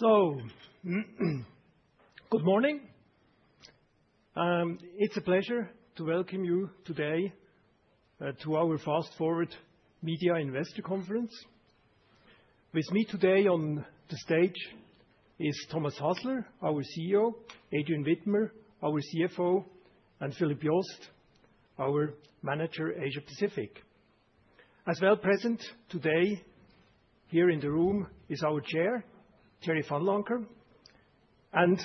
Good morning. It's a pleasure to welcome you today to our Fast Forward Media Investor Conference. With me today on the stage is Thomas Hasler, our CEO; Adrian Widmer, our CFO; and Philippe Jost, our Manager, Asia-Pacific. As well present today here in the room is our Chair, Thierry Vanlancker, and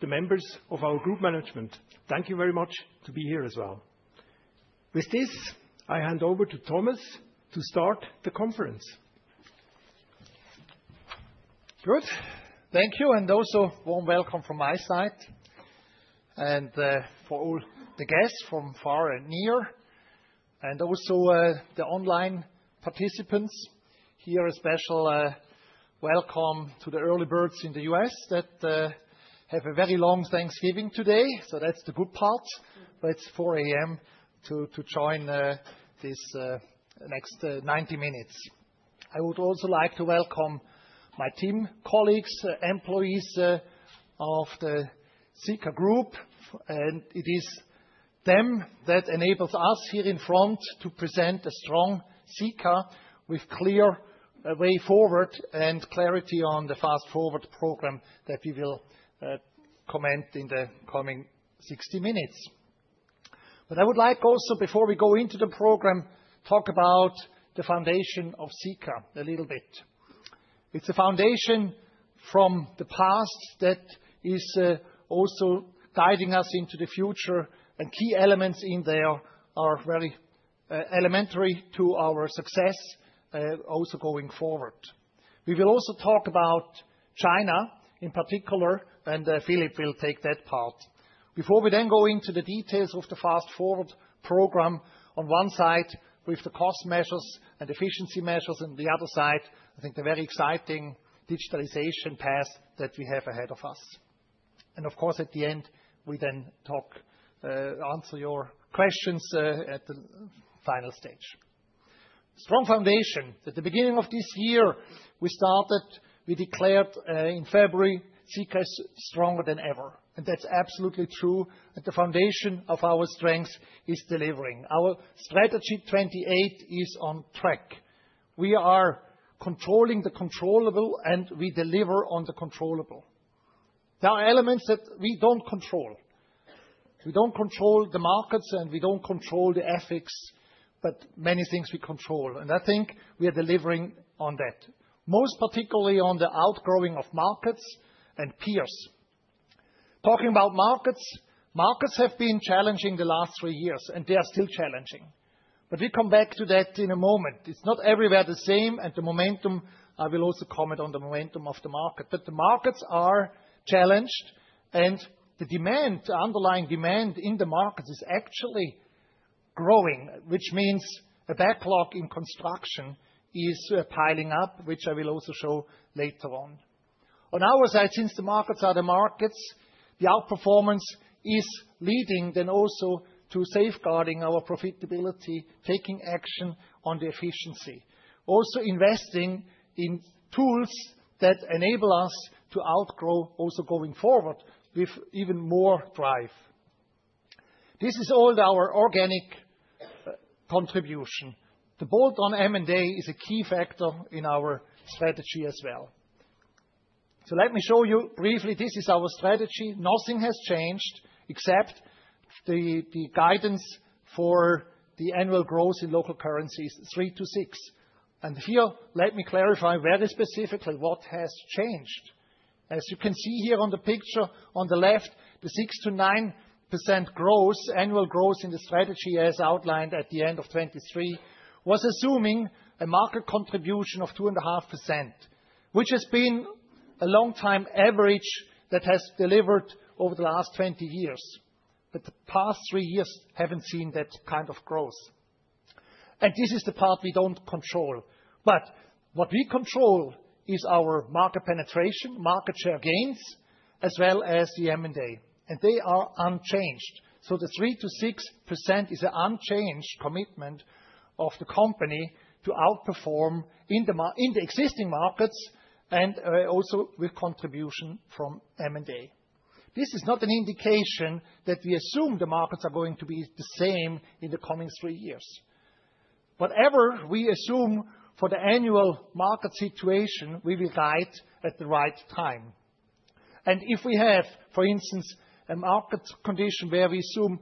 the members of our Group Management. Thank you very much for being here as well. With this, I hand over to Thomas to start the conference. Good, thank you, and also a warm welcome from my side, and for all the guests from far and near, and also the online participants. Here a special welcome to the early birds in the U.S. that have a very long Thanksgiving today, so that's the good part. It's 4:00 A.M. to join this next 90 minutes. I would also like to welcome my team, colleagues, employees of the Sika Group, and it is them that enables us here in front to present a strong Sika with a clear way forward and clarity on the Fast Forward program that we will comment on in the coming 60 minutes. I would like also, before we go into the program, to talk about the foundation of Sika a little bit. It's a foundation from the past that is also guiding us into the future, and key elements in there are very elementary to our success also going forward. We will also talk about China in particular, and Philippe will take that part. Before we then go into the details of the Fast Forward Program, on one side with the cost measures and efficiency measures, and on the other side, I think the very exciting digitalization path that we have ahead of us. Of course, at the end, we then talk, answer your questions at the final stage. Strong foundation: at the beginning of this year, we started, we declared in February Sika is stronger than ever, and that's absolutely true, and the foundation of our strength is delivering. Our Strategy 28 is on track. We are controlling the controllable and we deliver on the controllable. There are elements that we don't control. We don't control the markets and we don't control the ethics, but many things we control, and I think we are delivering on that, most particularly on the outgrowing of markets and peers. Talking about markets, markets have been challenging the last three years, and they are still challenging. We come back to that in a moment. It's not everywhere the same, and the momentum—I will also comment on the momentum of the market—the markets are challenged, and the demand, the underlying demand in the markets is actually growing, which means a backlog in construction is piling up, which I will also show later on. On our side, since the markets are the markets, the outperformance is leading then also to safeguarding our profitability, taking action on the efficiency, also investing in tools that enable us to outgrow also going forward with even more drive. This is all our organic contribution. The bolt-on M&A is a key factor in our strategy as well. Let me show you briefly: this is our strategy. Nothing has changed except the guidance for the annual growth in local currencies 3%-6%. Here, let me clarify very specifically what has changed. As you can see here on the picture on the left, the 6%-9% growth, annual growth in the strategy as outlined at the end of 2023, was assuming a market contribution of 2.5%, which has been a long-time average that has delivered over the last 20 years. The past three years haven't seen that kind of growth. This is the part we don't control. What we control is our market penetration, market share gains, as well as the M&A, and they are unchanged. The 3%-6% is an unchanged commitment of the company to outperform in the existing markets and also with contribution from M&A. This is not an indication that we assume the markets are going to be the same in the coming three years. Whatever we assume for the annual market situation, we will guide at the right time. If we have, for instance, a market condition where we assume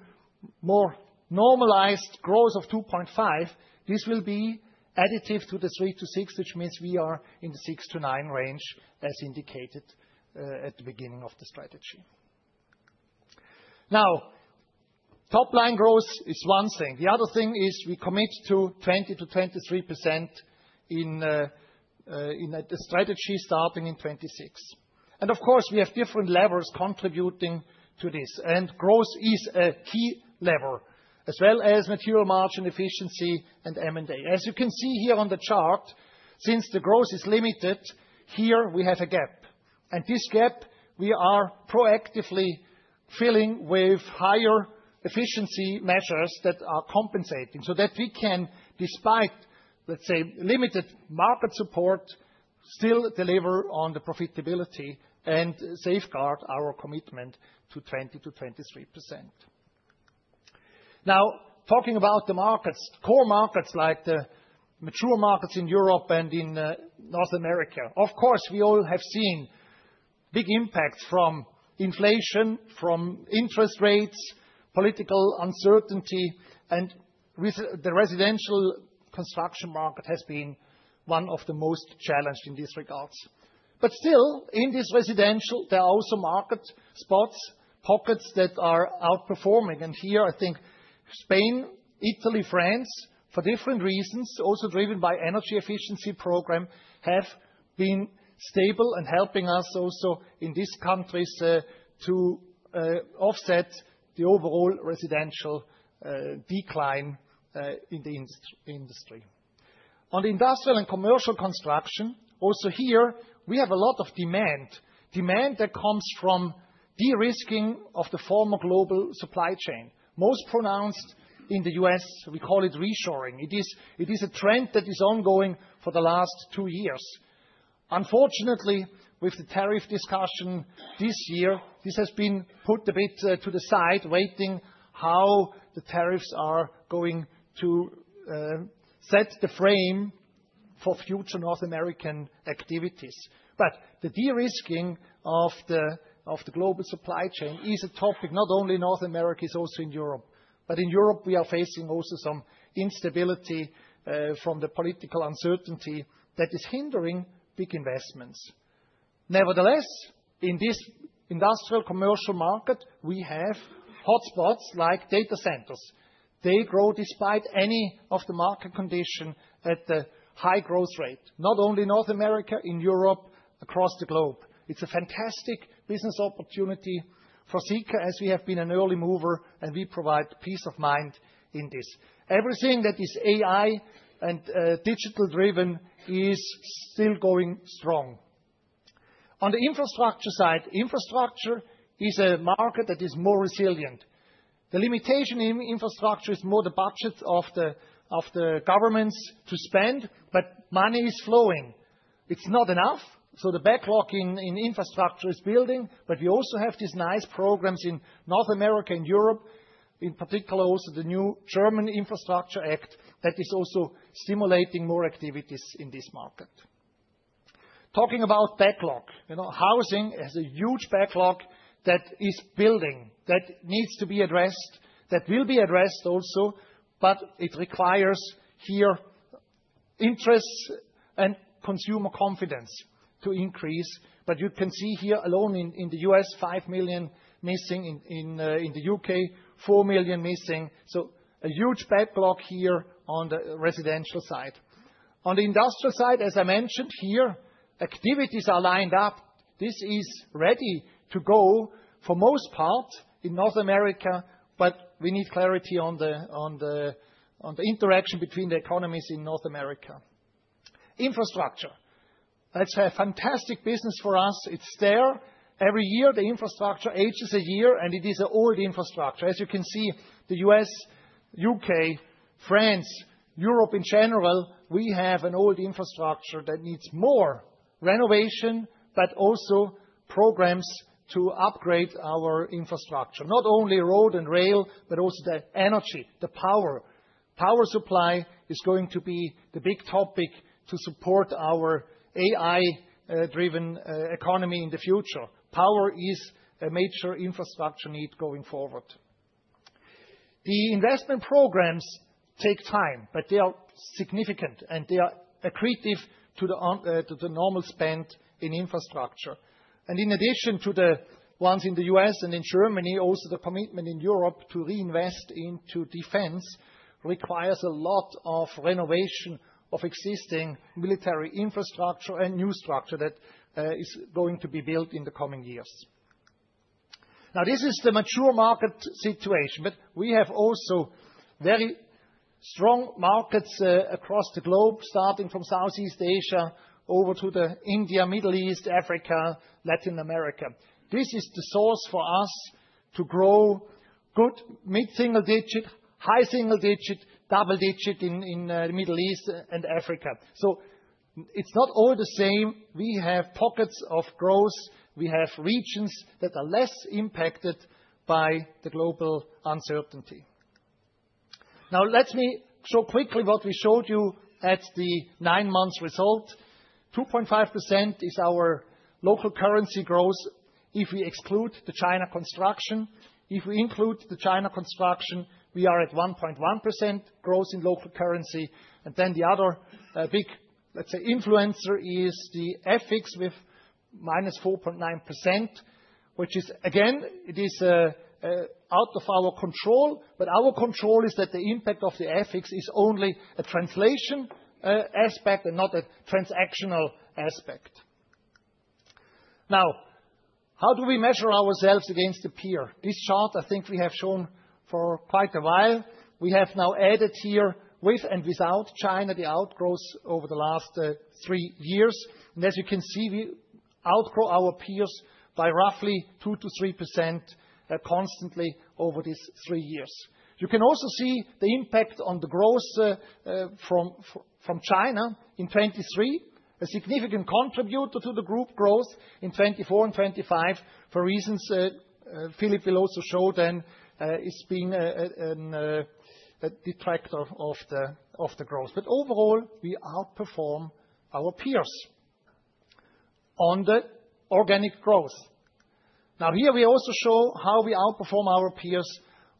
more normalized growth of 2.5%, this will be additive to the 3%-6%, which means we are in the 6%-9% range as indicated at the beginning of the strategy. Now, top-line growth is one thing. The other thing is we commit to 20%-23% in the strategy starting in 2026. Of course, we have different levers contributing to this, and growth is a key lever, as well as material margin efficiency and M&A. As you can see here on the chart, since the growth is limited, here we have a gap. This gap we are proactively filling with higher efficiency measures that are compensating so that we can, despite, let's say, limited market support, still deliver on the profitability and safeguard our commitment to 20%-23%. Now, talking about the markets, core markets like the mature markets in Europe and in North America, of course, we all have seen big impacts from inflation, from interest rates, political uncertainty, and the residential construction market has been one of the most challenged in these regards. Still, in this residential, there are also market spots, pockets that are outperforming. Here, I think Spain, Italy, France, for different reasons, also driven by the energy efficiency program, have been stable and helping us also in these countries to offset the overall residential decline in the industry. On the industrial and commercial construction, also here we have a lot of demand, demand that comes from de-risking of the former global supply chain, most pronounced in the U.S.; we call it reshoring. It is a trend that is ongoing for the last two years. Unfortunately, with the tariff discussion this year, this has been put a bit to the side, waiting how the tariffs are going to set the frame for future North American activities. The de-risking of the global supply chain is a topic not only in North America, it is also in Europe. In Europe, we are facing also some instability from the political uncertainty that is hindering big investments. Nevertheless, in this industrial commercial market, we have hotspots like data centers. They grow despite any of the market condition at the high growth rate, not only in North America, in Europe, across the globe. It's a fantastic business opportunity for Sika as we have been an early mover, and we provide peace of mind in this. Everything that is AI and digital-driven is still going strong. On the infrastructure side, infrastructure is a market that is more resilient. The limitation in infrastructure is more the budgets of the governments to spend, but money is flowing. It's not enough, so the backlog in infrastructure is building, but we also have these nice programs in North America and Europe, in particular also the new German Infrastructure Act that is also stimulating more activities in this market. Talking about backlog, housing has a huge backlog that is building that needs to be addressed, that will be addressed also, but it requires here interests and consumer confidence to increase. You can see here alone in the U.S., 5 million missing; in the U.K., 4 million missing. A huge backlog here on the residential side. On the industrial side, as I mentioned here, activities are lined up. This is ready to go for most parts in North America, but we need clarity on the interaction between the economies in North America. Infrastructure: that's a fantastic business for us. It's there. Every year, the infrastructure ages a year, and it is an old infrastructure. As you can see, the U.S., U.K., France, Europe, in general, we have an old infrastructure that needs more renovation, but also programs to upgrade our infrastructure, not only road and rail, but also the energy, the power. Power supply is going to be the big topic to support our AI-driven economy in the future. Power is a major infrastructure need going forward. The investment programs take time, but they are significant, and they are accretive to the normal spend in infrastructure. In addition to the ones in the U.S. and in Germany, also the commitment in Europe to reinvest into defense requires a lot of renovation of existing military infrastructure and new structure that is going to be built in the coming years. Now, this is the mature market situation, but we have also very strong markets across the globe, starting from Southeast Asia over to India, Middle East, Africa, Latin America. This is the source for us to grow good, mid-single digit, high single digit, double digit in the Middle East and Africa. It is not all the same. We have pockets of growth. We have regions that are less impacted by the global uncertainty. Now, let me show quickly what we showed you at the nine months result. 2.5% is our local currency growth if we exclude the China construction. If we include the China construction, we are at 1.1% growth in local currency. The other big, let's say, influencer is the FX with -4.9%, which is, again, it is out of our control, but our control is that the impact of the FX is only a translation aspect and not a transactional aspect. Now, how do we measure ourselves against the peer? This chart, I think we have shown for quite a while, we have now added here with and without China the outgrowth over the last three years. As you can see, we outgrow our peers by roughly 2%-3% constantly over these three years. You can also see the impact on the growth from China in 2023, a significant contributor to the group growth in 2024 and 2025 for reasons Philippe will also show then is being a detractor of the growth. Overall, we outperform our peers on the organic growth. Now, here we also show how we outperform our peers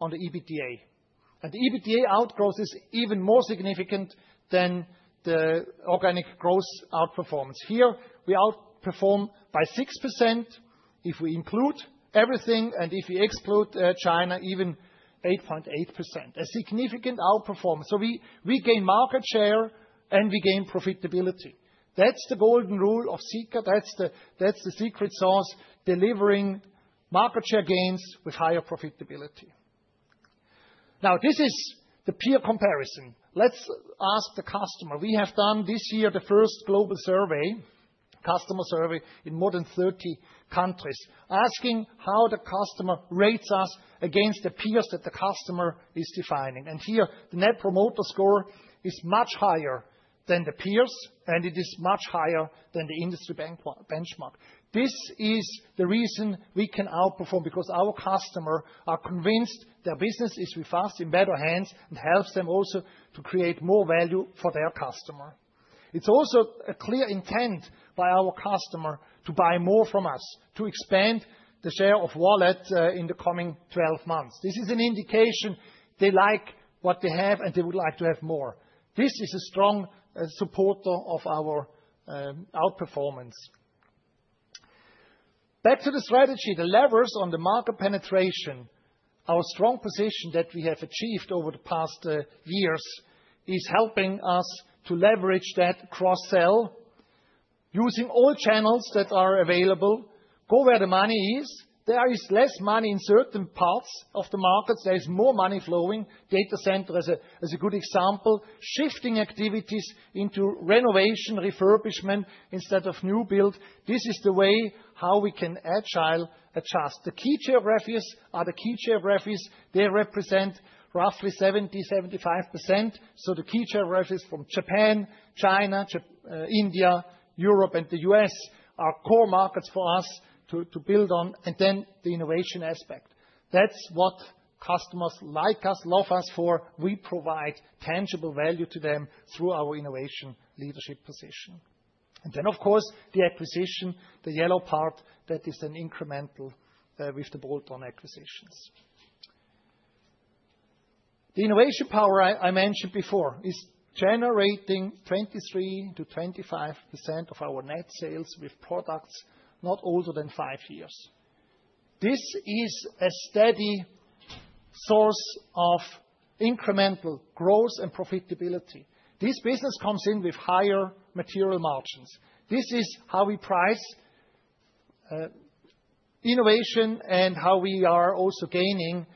on the EBITDA. And the EBITDA outgrowth is even more significant than the organic growth outperformance. Here, we outperform by 6% if we include everything, and if we exclude China, even 8.8%, a significant outperformance. So we gain market share and we gain profitability. That's the golden rule of Sika, that's the secret sauce, delivering market share gains with higher profitability. Now, this is the peer comparison. Let's ask the customer. We have done this year the first global survey, customer survey in more than 30 countries, asking how the customer rates us against the peers that the customer is defining. And here, the net promoter score is much higher than the peers, and it is much higher than the industry benchmark. This is the reason we can outperform, because our customers are convinced their business is with us in better hands and helps them also to create more value for their customer. It's also a clear intent by our customer to buy more from us, to expand the share of wallet in the coming 12 months. This is an indication they like what they have and they would like to have more. This is a strong supporter of our outperformance. Back to the strategy, the levers on the market penetration, our strong position that we have achieved over the past years is helping us to leverage that cross-sell using all channels that are available, go where the money is. There is less money in certain parts of the markets. There is more money flowing. Data center is a good example. Shifting activities into renovation, refurbishment instead of new build. This is the way how we can agile adjust. The key geographies are the key geographies. They represent roughly 70%-75%. The key geographies from Japan, China, India, Europe, and the U.S. are core markets for us to build on, and the innovation aspect. That is what customers like us, love us for. We provide tangible value to them through our innovation leadership position. Of course, the acquisition, the yellow part, that is an incremental with the bolt-on acquisitions. The innovation power I mentioned before is generating 23%-25% of our net sales with products not older than five years. This is a steady source of incremental growth and profitability. This business comes in with higher material margins. This is how we price innovation and how we are also gaining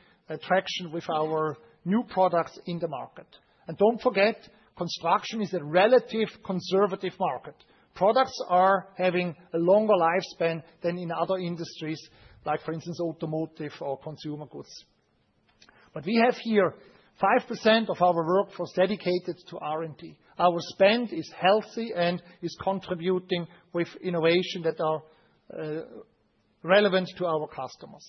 traction with our new products in the market. Do not forget, construction is a relatively conservative market. Products are having a longer lifespan than in other industries, like for instance, automotive or consumer goods. We have here 5% of our workforce dedicated to R&D. Our spend is healthy and is contributing with innovation that are relevant to our customers.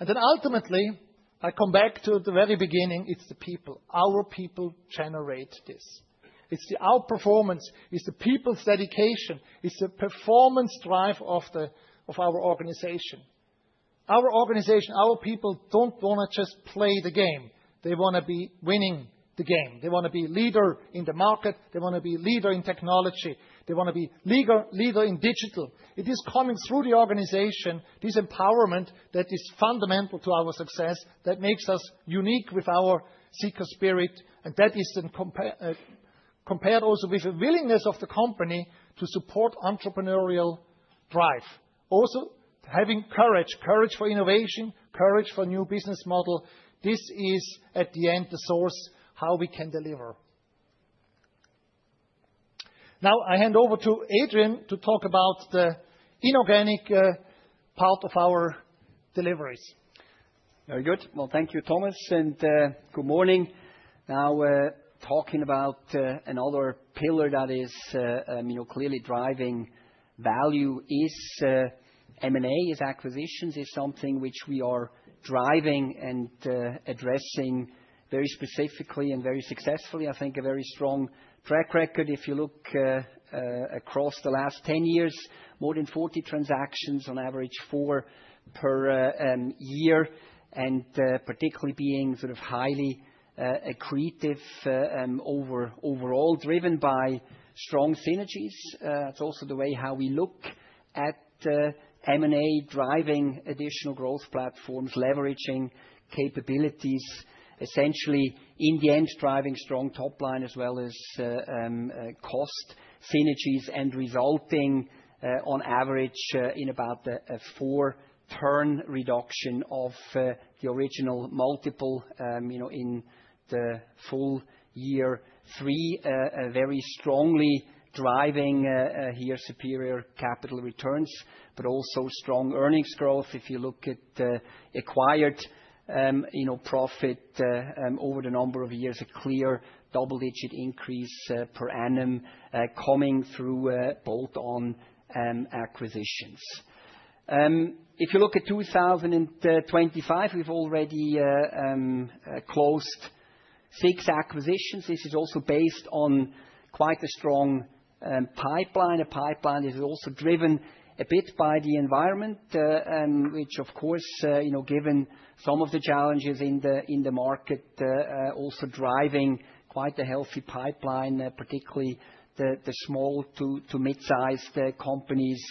Ultimately, I come back to the very beginning, it is the people. Our people generate this. It is the outperformance. It is the people's dedication. It is the performance drive of our organization. Our organization, our people do not want to just play the game. They want to be winning the game. They want to be a leader in the market. They want to be a leader in technology. They want to be a leader in digital. It is coming through the organization, this empowerment that is fundamental to our success, that makes us unique with our Sika spirit. That is compared also with the willingness of the company to support entrepreneurial drive. Also, having courage, courage for innovation, courage for a new business model. This is, at the end, the source of how we can deliver. Now, I hand over to Adrian to talk about the inorganic part of our deliveries. Very good. Thank you, Thomas, and good morning. Now, talking about another pillar that is clearly driving value is M&A, is acquisitions, is something which we are driving and addressing very specifically and very successfully. I think a very strong track record. If you look across the last 10 years, more than 40 transactions on average, four per year, and particularly being sort of highly accretive overall, driven by strong synergies. That's also the way how we look at M&A driving additional growth platforms, leveraging capabilities, essentially in the end driving strong top line as well as cost synergies and resulting on average in about a four-turn reduction of the original multiple in the full year. Three, very strongly driving here superior capital returns, but also strong earnings growth. If you look at acquired profit over the number of years, a clear double-digit increase per annum coming through bolt-on acquisitions. If you look at 2025, we've already closed six acquisitions. This is also based on quite a strong pipeline, a pipeline that is also driven a bit by the environment, which of course, given some of the challenges in the market, also driving quite a healthy pipeline, particularly the small to mid-sized companies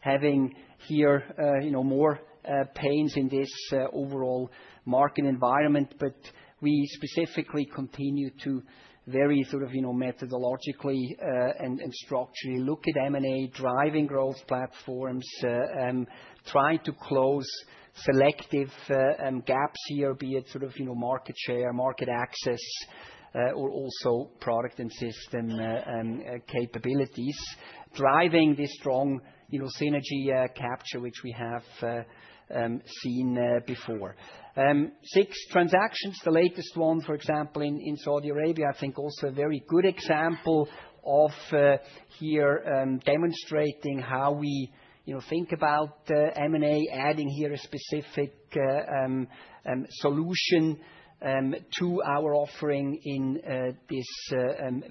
having here more pains in this overall market environment. We specifically continue to very sort of methodologically and structurally look at M&A driving growth platforms, trying to close selective gaps here, be it sort of market share, market access, or also product and system capabilities, driving this strong synergy capture which we have seen before. Six transactions, the latest one, for example, in Saudi Arabia, I think also a very good example of here demonstrating how we think about M&A, adding here a specific solution to our offering in this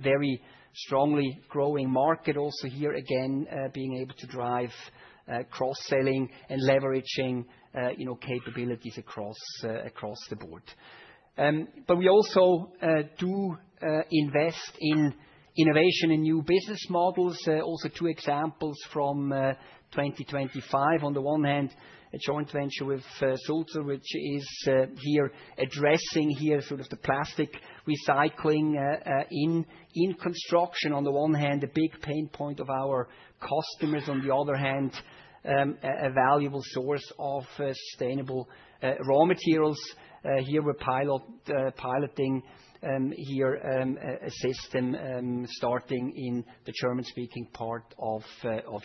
very strongly growing market, also here again being able to drive cross-selling and leveraging capabilities across the board. We also do invest in innovation and new business models. Also two examples from 2025. On the one hand, a joint venture with Sulzer, which is here addressing here sort of the plastic recycling in construction. On the one hand, a big pain point of our customers. On the other hand, a valuable source of sustainable raw materials. Here we're piloting here a system starting in the German-speaking part of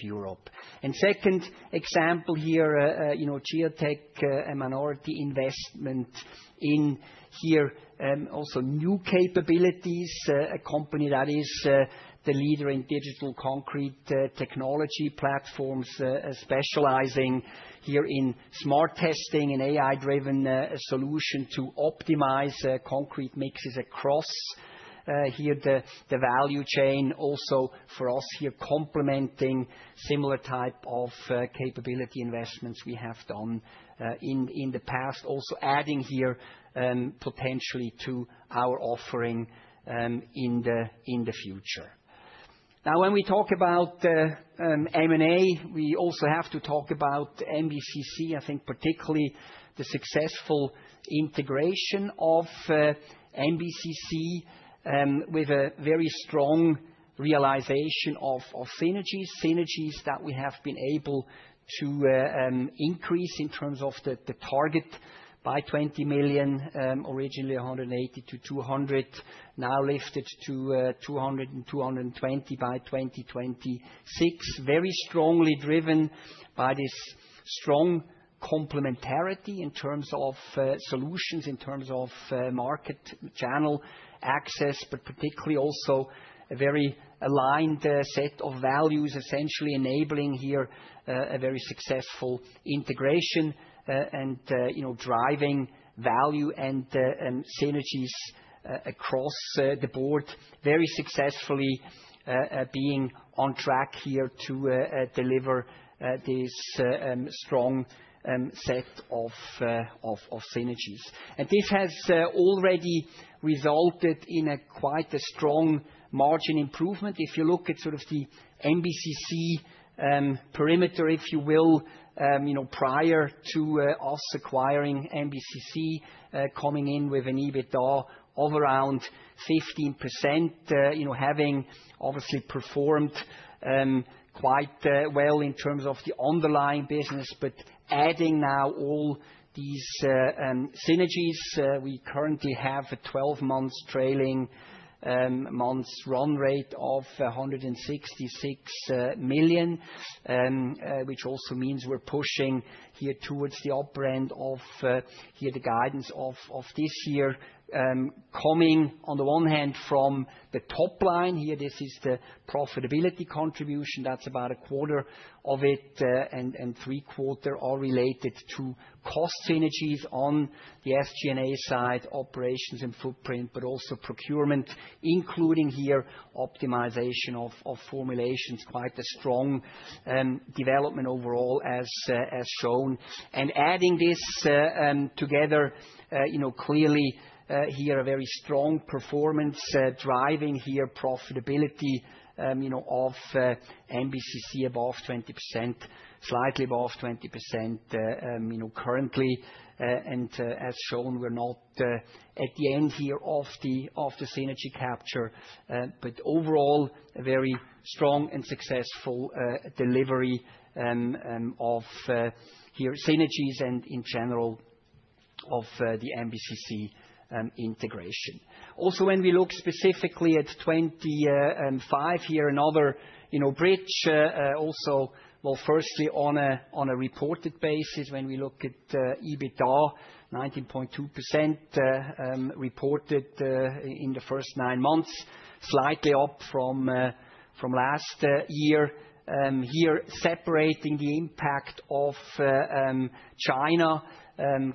Europe. A second example here, Geotech, a minority investment in here also new capabilities, a company that is the leader in digital concrete technology platforms, specializing here in smart testing and AI-driven solution to optimize concrete mixes across here the value chain. Also for us here complementing similar type of capability investments we have done in the past, also adding here potentially to our offering in the future. Now, when we talk about M&A, we also have to talk about MBCC, I think particularly the successful integration of MBCC with a very strong realization of synergies, synergies that we have been able to increase in terms of the target by 20 million, originally 180-200 million, now lifted to 200-220 million by 2026. Very strongly driven by this strong complementarity in terms of solutions, in terms of market channel access, but particularly also a very aligned set of values, essentially enabling here a very successful integration and driving value and synergies across the board, very successfully being on track here to deliver this strong set of synergies. This has already resulted in quite a strong margin improvement. If you look at sort of the MBCC perimeter, if you will, prior to us acquiring MBCC, coming in with an EBITDA of around 15%, having obviously performed quite well in terms of the underlying business, but adding now all these synergies, we currently have a 12-month trailing months run rate of 166 million, which also means we're pushing here towards the upper end of here the guidance of this year coming on the one hand from the top line. Here, this is the profitability contribution. That's about a quarter of it, and three quarter are related to cost synergies on the SG&A side, operations and footprint, but also procurement, including here optimization of formulations, quite a strong development overall as shown. Adding this together, clearly here a very strong performance driving here profitability of MBCC above 20%, slightly above 20% currently. As shown, we're not at the end here of the synergy capture, but overall a very strong and successful delivery of here synergies and in general of the MBCC integration. Also, when we look specifically at 2025, here another bridge also, firstly on a reported basis, when we look at EBITDA, 19.2% reported in the first nine months, slightly up from last year. Here, separating the impact of China,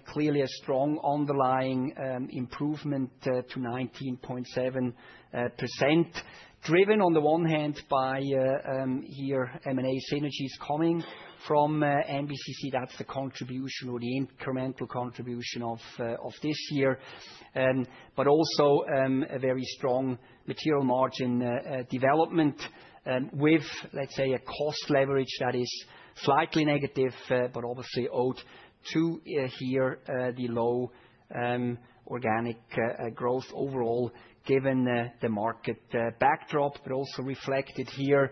clearly a strong underlying improvement to 19.7%, driven on the one hand by here M&A synergies coming from MBCC. That's the contribution or the incremental contribution of this year, but also a very strong material margin development with, let's say, a cost leverage that is slightly negative, but obviously owed to here the low organic growth overall given the market backdrop, but also reflected here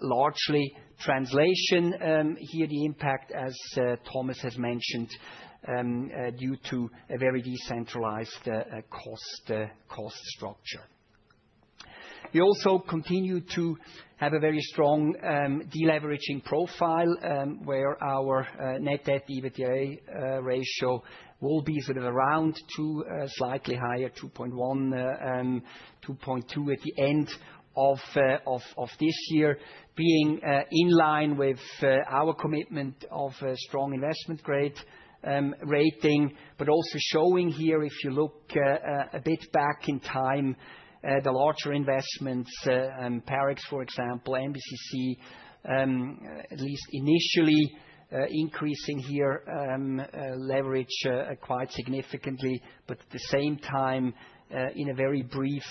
largely translation here, the impact as Thomas has mentioned due to a very decentralized cost structure. We also continue to have a very strong deleveraging profile where our net debt EBITDA ratio will be sort of around to slightly higher 2.1-2.2 at the end of this year, being in line with our commitment of a strong investment grade rating, but also showing here if you look a bit back in time, the larger investments, Parex, for example, MBCC, at least initially increasing here leverage quite significantly, but at the same time in a very brief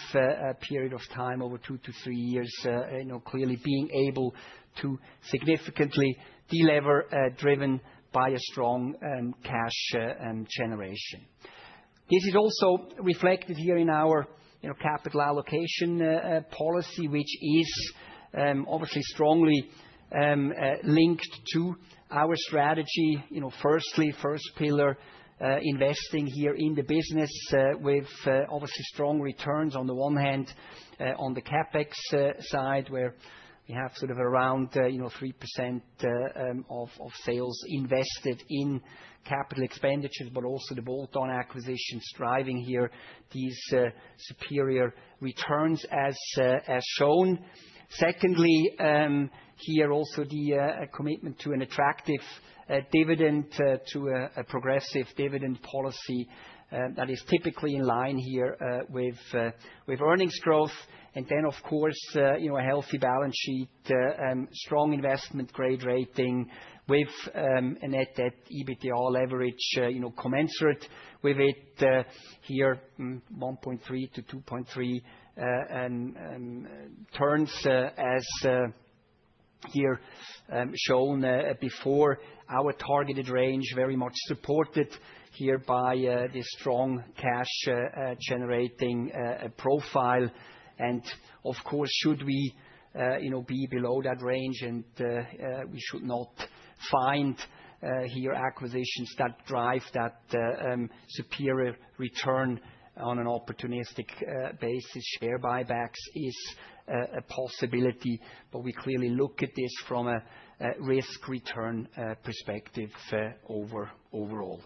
period of time, over two to three years, clearly being able to significantly deleverage driven by a strong cash generation. This is also reflected here in our capital allocation policy, which is obviously strongly linked to our strategy. Firstly, first pillar investing here in the business with obviously strong returns on the one hand on the CapEx side where we have sort of around 3% of sales invested in capital expenditures, but also the bolt-on acquisitions driving here these superior returns as shown. Secondly, here also the commitment to an attractive dividend, to a progressive dividend policy that is typically in line here with earnings growth. Of course, a healthy balance sheet, strong investment grade rating with a net debt EBITDA leverage commensurate with it here, 1.3-2.3 turns, as here shown before, our targeted range very much supported here by this strong cash generating profile. Of course, should we be below that range and we should not find here acquisitions that drive that superior return on an opportunistic basis, share buybacks is a possibility, but we clearly look at this from a risk-return perspective overall.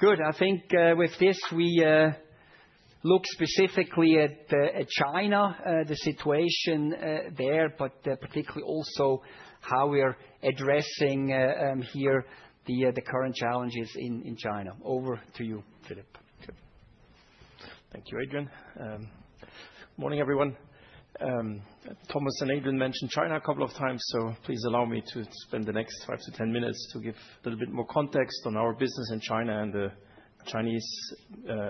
Good. I think with this we look specifically at China, the situation there, but particularly also how we're addressing here the current challenges in China. Over to you, Philippe. Thank you, Adrian. Good morning, everyone. Thomas and Adrian mentioned China a couple of times, so please allow me to spend the next 5-10 minutes to give a little bit more context on our business in China and the Chinese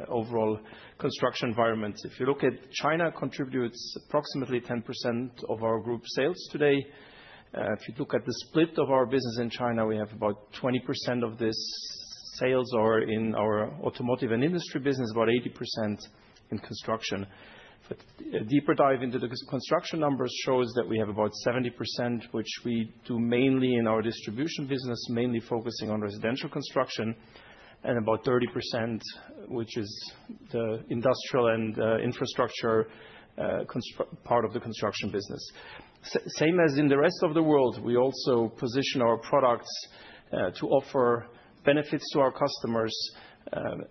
overall construction environment. If you look at China, it contributes approximately 10% of our group sales today. If you look at the split of our business in China, we have about 20% of these sales are in our automotive and industry business, about 80% in construction. A deeper dive into the construction numbers shows that we have about 70%, which we do mainly in our distribution business, mainly focusing on residential construction, and about 30%, which is the industrial and infrastructure part of the construction business. Same as in the rest of the world, we also position our products to offer benefits to our customers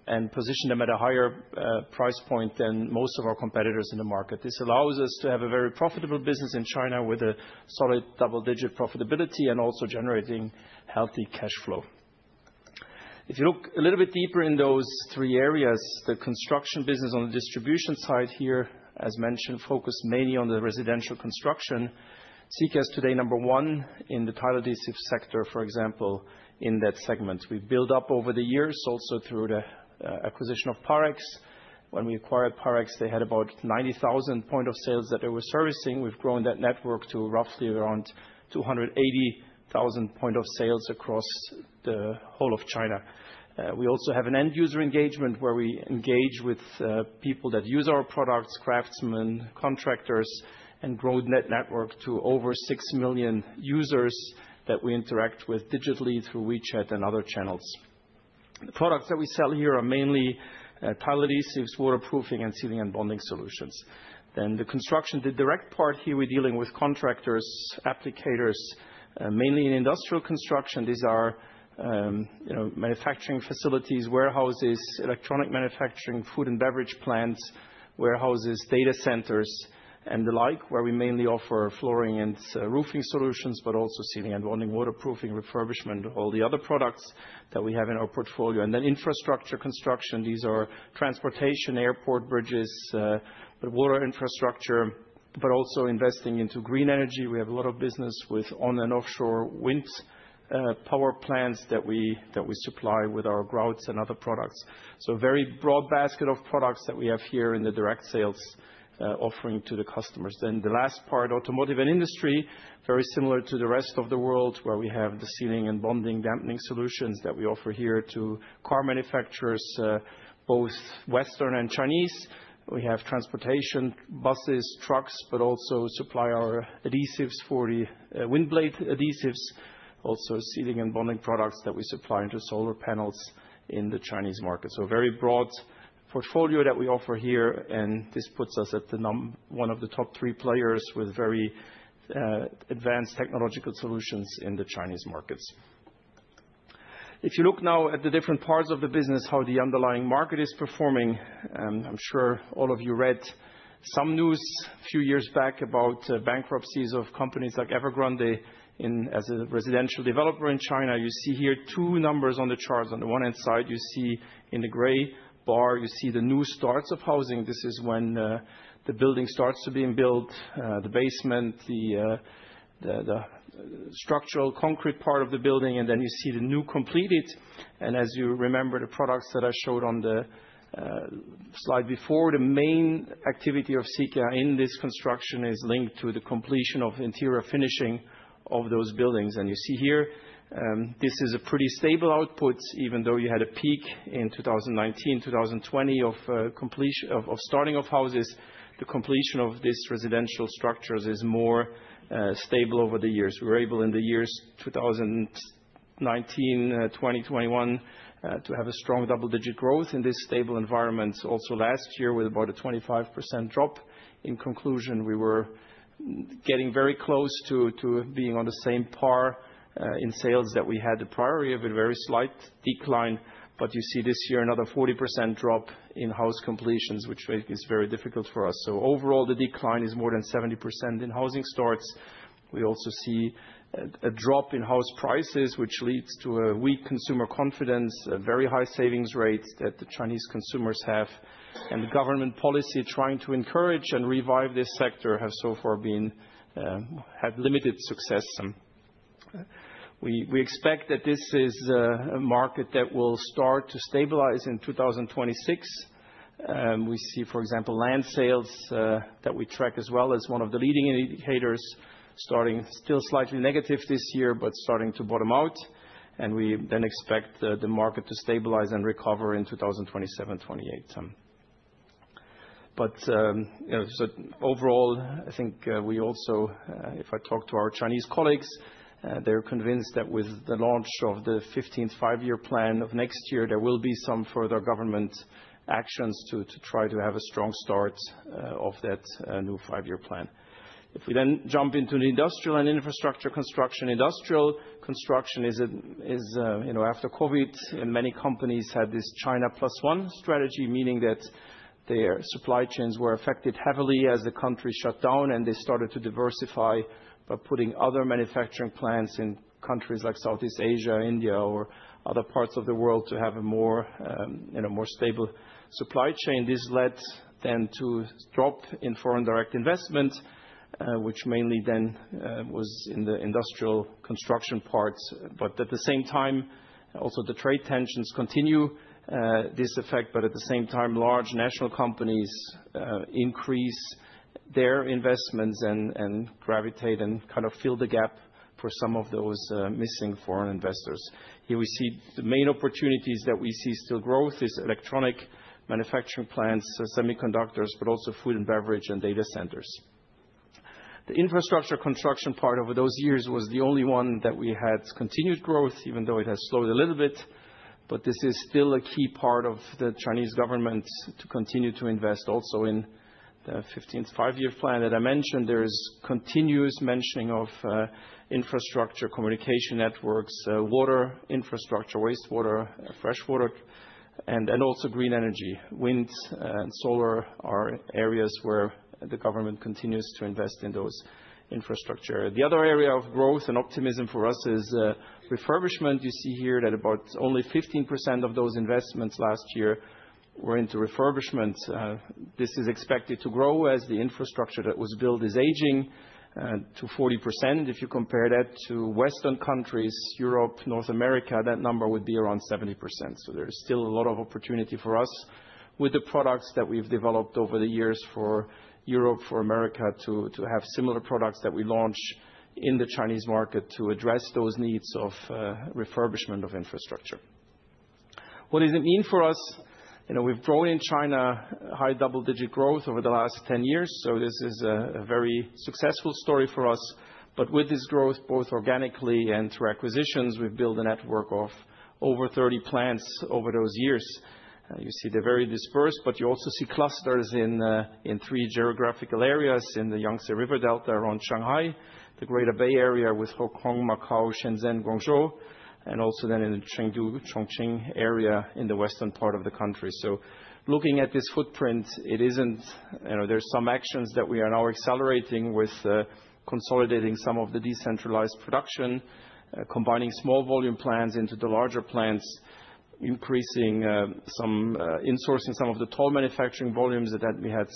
and position them at a higher price point than most of our competitors in the market. This allows us to have a very profitable business in China with a solid double-digit profitability and also generating healthy cash flow. If you look a little bit deeper in those three areas, the construction business on the distribution side here, as mentioned, focused mainly on the residential construction. Sika is today number one in the tile adhesive sector, for example, in that segment. We built up over the years also through the acquisition of Parex. When we acquired Parex, they had about 90,000 point of sales that they were servicing. We've grown that network to roughly around 280,000 point of sales across the whole of China. We also have an end user engagement where we engage with people that use our products, craftsmen, contractors, and grow that network to over 6 million users that we interact with digitally through WeChat and other channels. The products that we sell here are mainly tile adhesives, waterproofing, and sealing and bonding solutions. The construction, the direct part here, we're dealing with contractors, applicators, mainly in industrial construction. These are manufacturing facilities, warehouses, electronic manufacturing, food and beverage plants, warehouses, data centers, and the like where we mainly offer flooring and roofing solutions, but also sealing and bonding, waterproofing, refurbishment, all the other products that we have in our portfolio. Infrastructure construction, these are transportation, airport bridges, water infrastructure, but also investing into green energy. We have a lot of business with on and offshore wind power plants that we supply with our grouts and other products. A very broad basket of products that we have here in the direct sales offering to the customers. The last part, automotive and industry, very similar to the rest of the world where we have the sealing and bonding, dampening solutions that we offer here to car manufacturers, both Western and Chinese. We have transportation, buses, trucks, but also supply our adhesives, for wind blade adhesives, also sealing and bonding products that we supply into solar panels in the Chinese market. A very broad portfolio that we offer here, and this puts us at one of the top three players with very advanced technological solutions in the Chinese markets. If you look now at the different parts of the business, how the underlying market is performing, I'm sure all of you read some news a few years back about bankruptcies of companies like Evergrande as a residential developer in China. You see here two numbers on the charts. On the one hand side, you see in the gray bar, you see the new starts of housing. This is when the building starts to be built, the basement, the structural concrete part of the building, and then you see the new completed. As you remember, the products that I showed on the slide before, the main activity of Sika in this construction is linked to the completion of interior finishing of those buildings. You see here, this is a pretty stable output, even though you had a peak in 2019, 2020 of starting of houses, the completion of these residential structures is more stable over the years. We were able in the years 2019, 2021 to have a strong double-digit growth in this stable environment. Also last year with about a 25% drop. In conclusion, we were getting very close to being on the same par in sales that we had the priority of a very slight decline, but you see this year another 40% drop in house completions, which is very difficult for us. Overall, the decline is more than 70% in housing starts. We also see a drop in house prices, which leads to a weak consumer confidence, very high savings rates that the Chinese consumers have, and the government policy trying to encourage and revive this sector have so far had limited success. We expect that this is a market that will start to stabilize in 2026. We see, for example, land sales that we track as well as one of the leading indicators starting still slightly negative this year, but starting to bottom out. We then expect the market to stabilize and recover in 2027, 2028. Overall, I think we also, if I talk to our Chinese colleagues, they're convinced that with the launch of the 15th five-year plan next year, there will be some further government actions to try to have a strong start of that new five-year plan. If we then jump into the industrial and infrastructure construction, industrial construction is after COVID, and many companies had this China plus one strategy, meaning that their supply chains were affected heavily as the country shut down and they started to diversify by putting other manufacturing plants in countries like Southeast Asia, India, or other parts of the world to have a more stable supply chain. This led then to a drop in foreign direct investment, which mainly then was in the industrial construction parts. At the same time, also the trade tensions continue this effect, but at the same time, large national companies increase their investments and gravitate and kind of fill the gap for some of those missing foreign investors. Here we see the main opportunities that we see still growth is electronic manufacturing plants, semiconductors, but also food and beverage and data centers. The infrastructure construction part over those years was the only one that we had continued growth, even though it has slowed a little bit, but this is still a key part of the Chinese government to continue to invest also in the 15th five-year plan that I mentioned. There is continuous mentioning of infrastructure, communication networks, water infrastructure, wastewater, freshwater, and also green energy. Wind and solar are areas where the government continues to invest in those infrastructure. The other area of growth and optimism for us is refurbishment. You see here that about only 15% of those investments last year were into refurbishment. This is expected to grow as the infrastructure that was built is aging to 40%. If you compare that to Western countries, Europe, North America, that number would be around 70%. There is still a lot of opportunity for us with the products that we've developed over the years for Europe, for America to have similar products that we launch in the Chinese market to address those needs of refurbishment of infrastructure. What does it mean for us? We've grown in China, high double-digit growth over the last 10 years. This is a very successful story for us. With this growth, both organically and through acquisitions, we've built a network of over 30 plants over those years. You see they're very dispersed, but you also see clusters in three geographical areas in the Yangtze River Delta around Shanghai, the Greater Bay Area with Hong Kong, Macau, Shenzhen, Guangzhou, and also in the Chengdu, Chongqing area in the western part of the country. Looking at this footprint, there are some actions that we are now accelerating with consolidating some of the decentralized production, combining small volume plants into the larger plants, increasing some insourcing of the tall manufacturing volumes that we had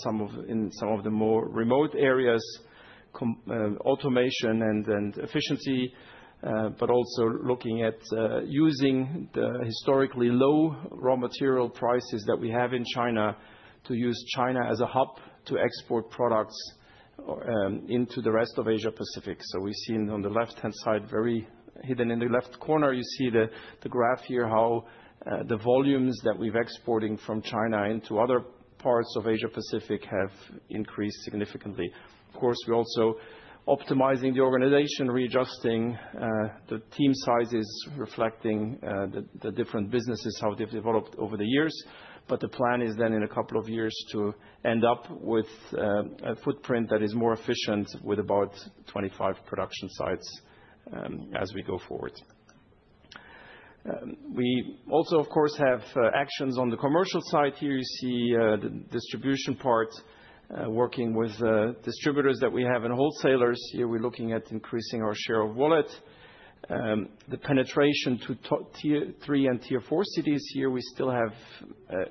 in some of the more remote areas, automation and efficiency, but also looking at using the historically low raw material prices that we have in China to use China as a hub to export products into the rest of Asia-Pacific. We see on the left-hand side, very hidden in the left corner, you see the graph here how the volumes that we've exporting from China into other parts of Asia-Pacific have increased significantly. Of course, we're also optimizing the organization, readjusting the team sizes, reflecting the different businesses, how they've developed over the years. The plan is then in a couple of years to end up with a footprint that is more efficient with about 25 production sites as we go forward. We also, of course, have actions on the commercial side. Here you see the distribution part working with distributors that we have and wholesalers. Here we're looking at increasing our share of wallet. The penetration to tier three and tier four cities here, we still have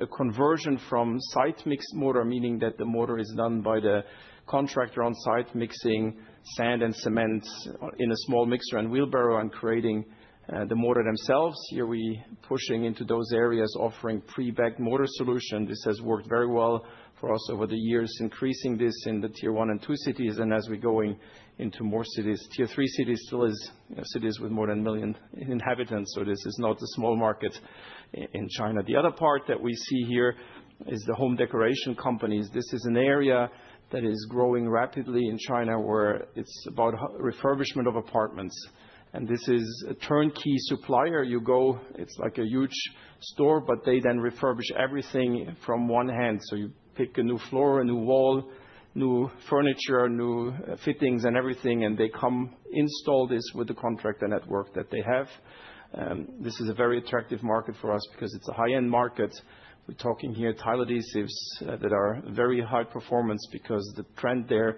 a conversion from site mixed mortar, meaning that the mortar is done by the contractor on site mixing sand and cement in a small mixer and wheelbarrow and creating the mortar themselves. Here we are pushing into those areas, offering pre-bagged mortar solution. This has worked very well for us over the years, increasing this in the tier one and two cities and as we are going into more cities. Tier three cities still are cities with more than a million inhabitants, so this is not a small market in China. The other part that we see here is the home decoration companies. This is an area that is growing rapidly in China where it is about refurbishment of apartments. This is a turnkey supplier. You go, it's like a huge store, but they then refurbish everything from one hand. You pick a new floor, a new wall, new furniture, new fittings and everything, and they come install this with the contract and network that they have. This is a very attractive market for us because it's a high-end market. We're talking here tile adhesives that are very high performance because the trend there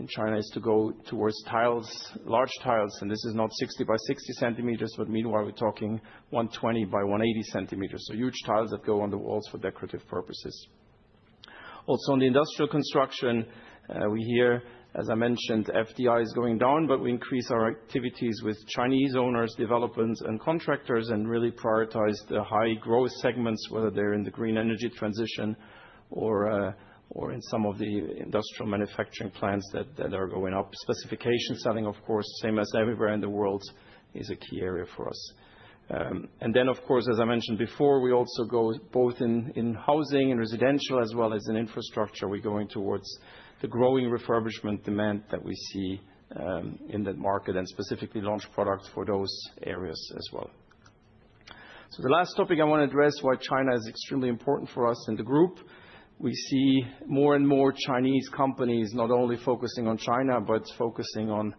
in China is to go towards tiles, large tiles, and this is not 60 by 60 centimeters, but meanwhile we're talking 120 by 180 centimeters. Huge tiles that go on the walls for decorative purposes. Also in the industrial construction, we hear, as I mentioned, FDI is going down, but we increase our activities with Chinese owners, developments, and contractors and really prioritize the high growth segments, whether they're in the green energy transition or in some of the industrial manufacturing plants that are going up. Specification selling, of course, same as everywhere in the world, is a key area for us. Of course, as I mentioned before, we also go both in housing and residential as well as in infrastructure. We are going towards the growing refurbishment demand that we see in that market and specifically launch products for those areas as well. The last topic I want to address is why China is extremely important for us in the group. We see more and more Chinese companies not only focusing on China, but focusing on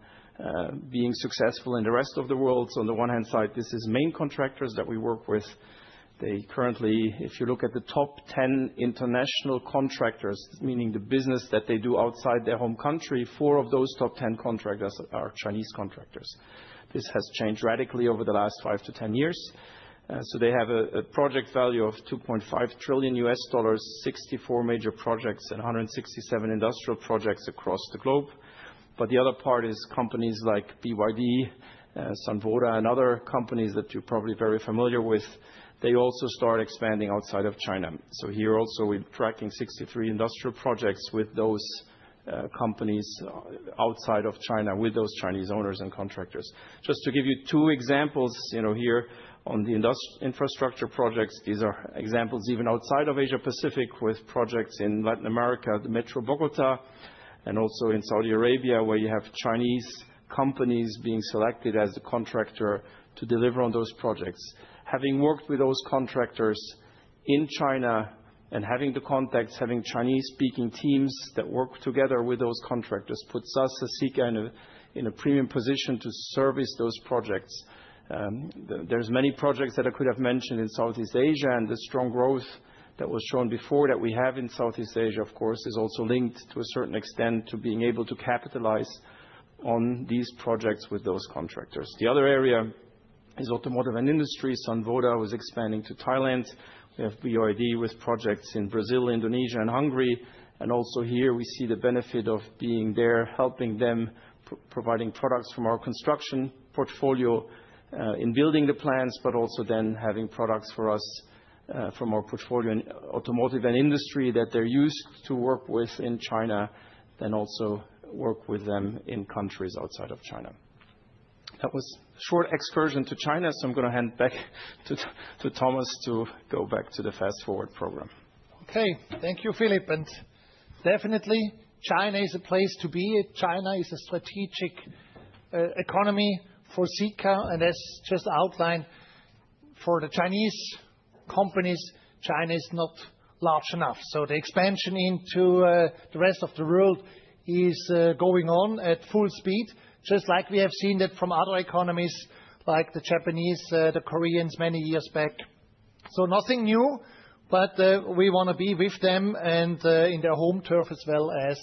being successful in the rest of the world. On the one hand side, this is main contractors that we work with. They currently, if you look at the top 10 international contractors, meaning the business that they do outside their home country, four of those top 10 contractors are Chinese contractors. This has changed radically over the last 5-10 years. They have a project value of $2.5 trillion, 64 major projects and 167 industrial projects across the globe. The other part is companies like BYD, Sunwoda, and other companies that you're probably very familiar with. They also start expanding outside of China. Here also we're tracking 63 industrial projects with those companies outside of China with those Chinese owners and contractors. Just to give you two examples here on the infrastructure projects, these are examples even outside of Asia-Pacific with projects in Latin America, the Metro Bogota, and also in Saudi Arabia, where you have Chinese companies being selected as the contractor to deliver on those projects. Having worked with those contractors in China and having the context, having Chinese-speaking teams that work together with those contractors puts us as Sika in a premium position to service those projects. There are many projects that I could have mentioned in Southeast Asia and the strong growth that was shown before that we have in Southeast Asia, of course, is also linked to a certain extent to being able to capitalize on these projects with those contractors. The other area is automotive and industry. Sunwoda was expanding to Thailand. We have BYD with projects in Brazil, Indonesia, and Hungary. Okay, thank you, Philippe. Definitely China is a place to be. China is a strategic economy for Sika. As just outlined for the Chinese companies, China is not large enough. The expansion into the rest of the world is going on at full speed, just like we have seen that from other economies like the Japanese, the Koreans many years back. Nothing new, but we want to be with them and in their home turf as well as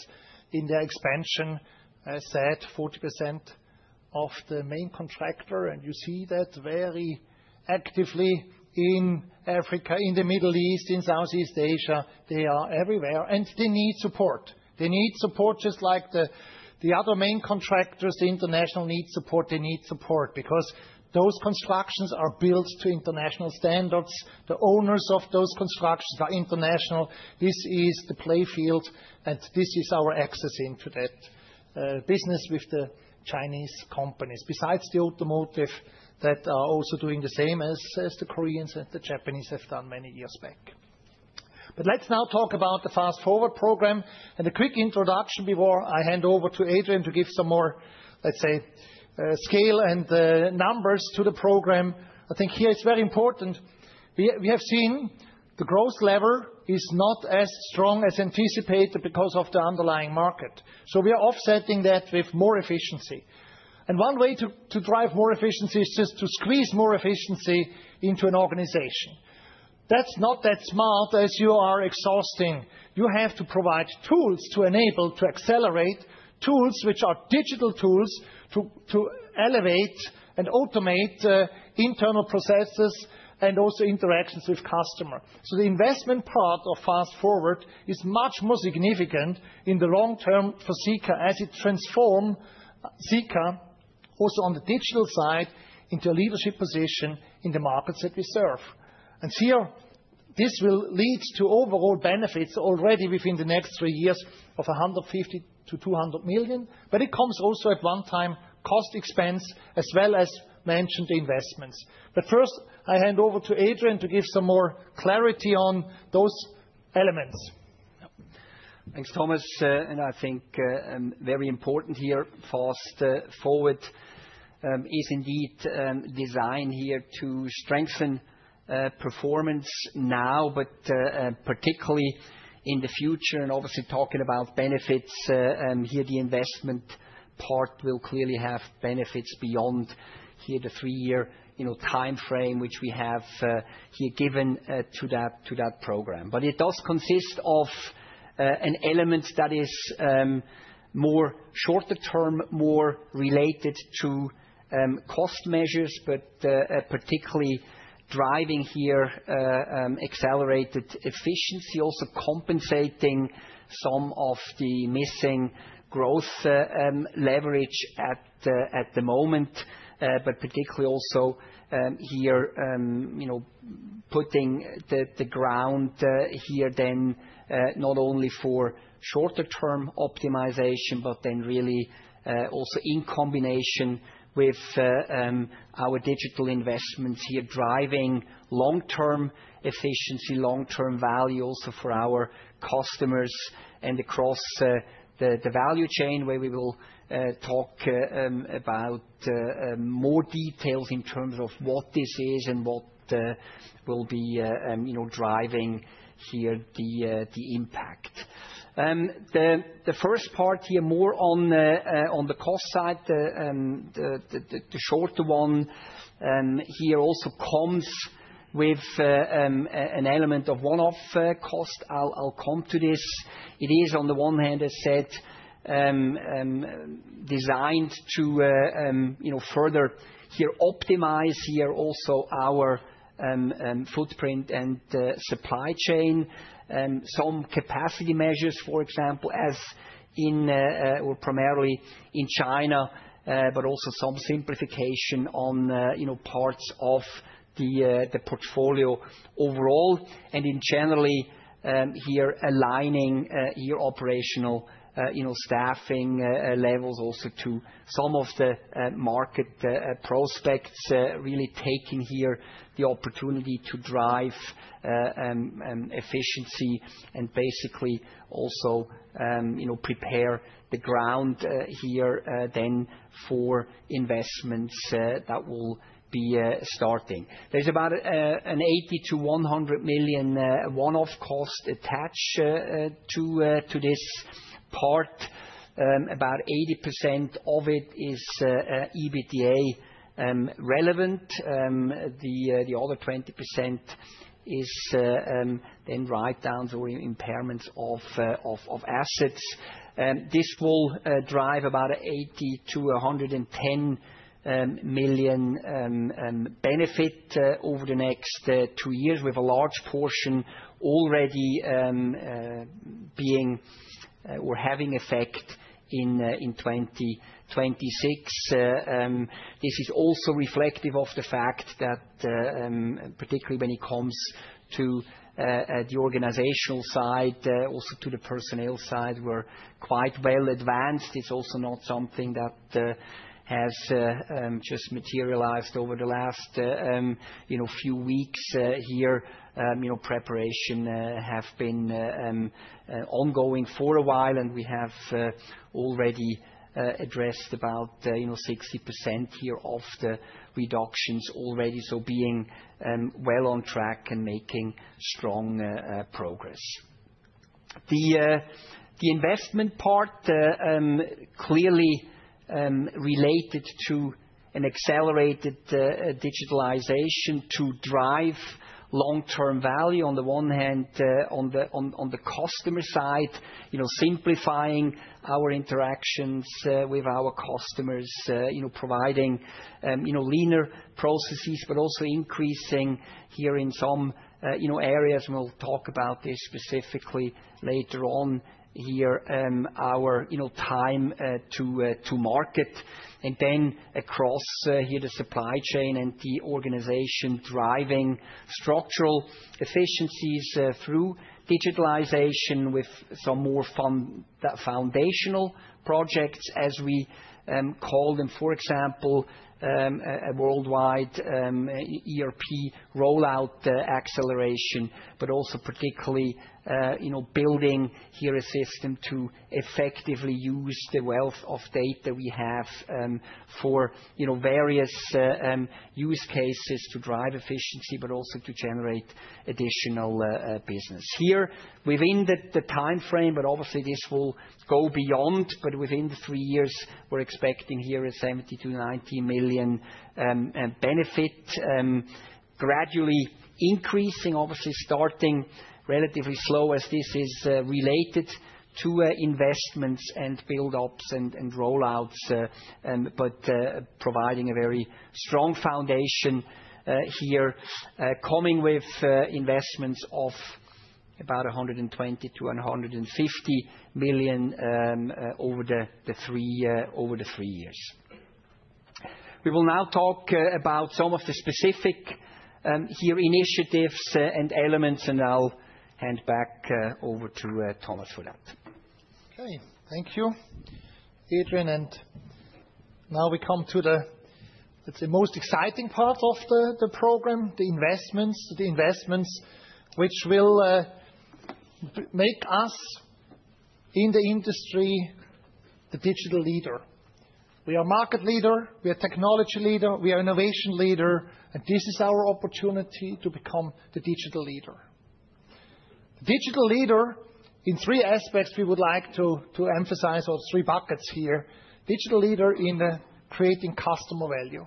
in their expansion, as said, 40% of the main contractor. You see that very actively in Africa, in the Middle East, in Southeast Asia. They are everywhere and they need support. They need support just like the other main contractors, the international need support, they need support because those constructions are built to international standards. The owners of those constructions are international. This is the play field and this is our access into that business with the Chinese companies. Besides the automotive that are also doing the same as the Koreans and the Japanese have done many years back. Let's now talk about the Fast Forward Program and a quick introduction before I hand over to Adrian to give some more, let's say, scale and numbers to the program. I think here it's very important. We have seen the growth lever is not as strong as anticipated because of the underlying market. We are offsetting that with more efficiency. One way to drive more efficiency is just to squeeze more efficiency into an organization. That's not that smart as you are exhausting. You have to provide tools to enable, to accelerate tools which are digital tools to elevate and automate internal processes and also interactions with customers. The investment part of Fast Forward is much more significant in the long term for Sika as it transforms Sika also on the digital side into a leadership position in the markets that we serve. This will lead to overall benefits already within the next three years of 150 million-200 million, but it comes also at one time cost expense as well as mentioned investments. First, I hand over to Adrian to give some more clarity on those elements. Thanks, Thomas. I think very important here, Fast Forward is indeed designed here to strengthen performance now, but particularly in the future. Obviously, talking about benefits here, the investment part will clearly have benefits beyond here the three-year timeframe which we have here given to that program. It does consist of an element that is more shorter term, more related to cost measures, but particularly driving here accelerated efficiency, also compensating some of the missing growth leverage at the moment, but particularly also here putting the ground here then not only for shorter term optimization, but then really also in combination with our digital investments here driving long-term efficiency, long-term value also for our customers and across the value chain where we will talk about more details in terms of what this is and what will be driving here the impact. The first part here, more on the cost side, the shorter one here also comes with an element of one-off cost. I'll come to this. It is on the one hand, as said, designed to further here optimize here also our footprint and supply chain. Some capacity measures, for example, as in or primarily in China, but also some simplification on parts of the portfolio overall. In generally here, aligning your operational staffing levels also to some of the market prospects, really taking here the opportunity to drive efficiency and basically also prepare the ground here then for investments that will be starting. There is about a 80 million-100 million one-off cost attached to this part. About 80% of it is EBITDA relevant. The other 20% is then write-downs or impairments of assets. This will drive about a 80 million-110 million benefit over the next two years with a large portion already being or having effect in 2026. This is also reflective of the fact that particularly when it comes to the organizational side, also to the personnel side, we are quite well advanced. It's also not something that has just materialized over the last few weeks here. Preparation has been ongoing for a while and we have already addressed about 60% here of the reductions already, so being well on track and making strong progress. The investment part clearly related to an accelerated digitalization to drive long-term value on the one hand, on the customer side, simplifying our interactions with our customers, providing leaner processes, but also increasing here in some areas. We'll talk about this specifically later on here, our time to market. Across here the supply chain and the organization driving structural efficiencies through digitalization with some more foundational projects as we call them, for example, a worldwide ERP rollout acceleration, but also particularly building here a system to effectively use the wealth of data we have for various use cases to drive efficiency, but also to generate additional business. Here within the timeframe, but obviously this will go beyond, but within the three years, we're expecting here a 70 million-90 million benefit gradually increasing, obviously starting relatively slow as this is related to investments and build-ups and rollouts, but providing a very strong foundation here, coming with investments of about 120 million-150 million over the three years. We will now talk about some of the specific here initiatives and elements and I'll hand back over to Thomas for that. Okay, thank you, Adrian. Now we come to the, let's say, most exciting part of the program, the investments, which will make us in the industry the digital leader. We are market leader, we are technology leader, we are innovation leader, and this is our opportunity to become the digital leader. Digital leader in three aspects we would like to emphasize or three buckets here. Digital leader in creating customer value.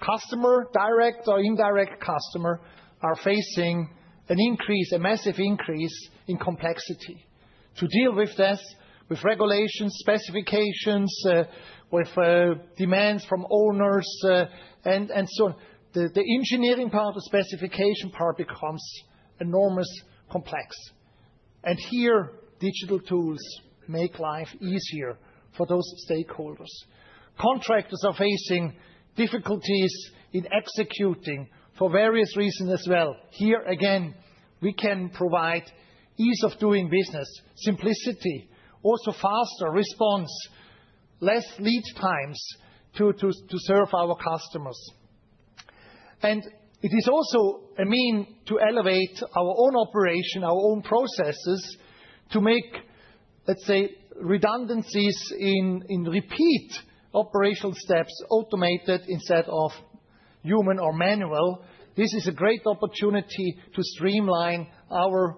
Customer, direct or indirect customer, are facing an increase, a massive increase in complexity. To deal with this with regulations, specifications, with demands from owners and so on. The engineering part, the specification part becomes enormous complex. Here digital tools make life easier for those stakeholders. Contractors are facing difficulties in executing for various reasons as well. Here again, we can provide ease of doing business, simplicity, also faster response, less lead times to serve our customers. It is also a mean to elevate our own operation, our own processes to make, let's say, redundancies in repeat operational steps automated instead of human or manual. This is a great opportunity to streamline our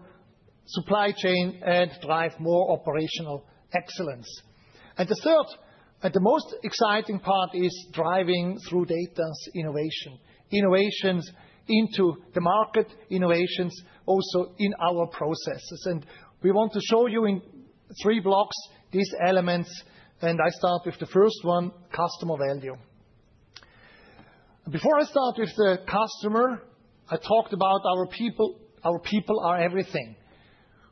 supply chain and drive more operational excellence. The third and the most exciting part is driving through data's innovation. Innovations into the market, innovations also in our processes. We want to show you in three blocks these elements. I start with the first one, customer value. Before I start with the customer, I talked about our people. Our people are everything.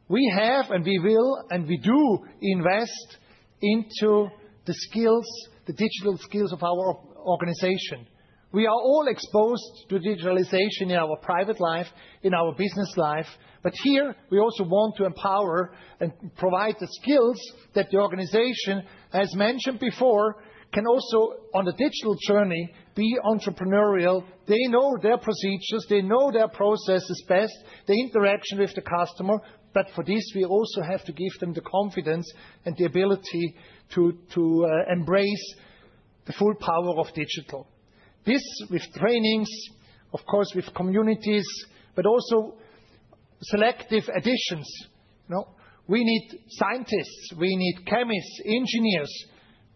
We have and we will and we do invest into the skills, the digital skills of our organization. We are all exposed to digitalization in our private life, in our business life, but here we also want to empower and provide the skills that the organization, as mentioned before, can also on the digital journey be entrepreneurial. They know their procedures, they know their processes best, the interaction with the customer, but for this we also have to give them the confidence and the ability to embrace the full power of digital. This with trainings, of course with communities, but also selective additions. We need scientists, we need chemists, engineers,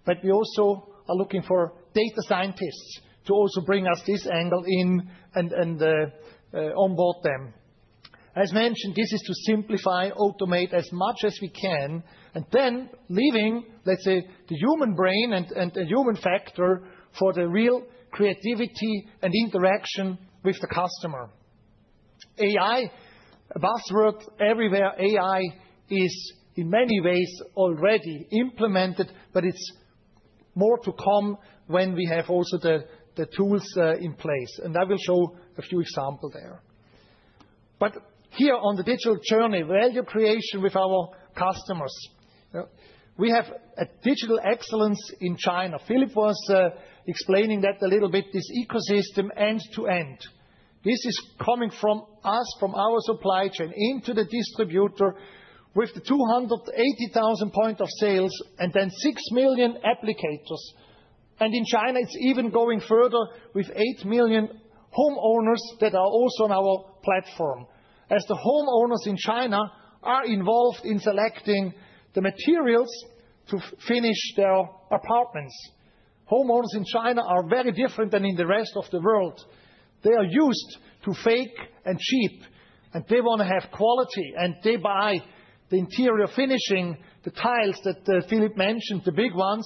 but we also are looking for data scientists to also bring us this angle in and onboard them. As mentioned, this is to simplify, automate as much as we can, and then leaving, let's say, the human brain and the human factor for the real creativity and interaction with the customer. AI, buzzword everywhere, AI is in many ways already implemented, but it's more to come when we have also the tools in place. I will show a few examples there. Here on the digital journey, value creation with our customers. We have a digital excellence in China. Philippe was explaining that a little bit, this ecosystem end-to-end. This is coming from us, from our supply chain into the distributor with the 280,000 point of sales and then 6 million applicators. In China, it's even going further with 8 million homeowners that are also on our platform. As the homeowners in China are involved in selecting the materials to finish their apartments, homeowners in China are very different than in the rest of the world. They are used to fake and cheap, and they want to have quality and they buy the interior finishing, the tiles that Philippe mentioned, the big ones.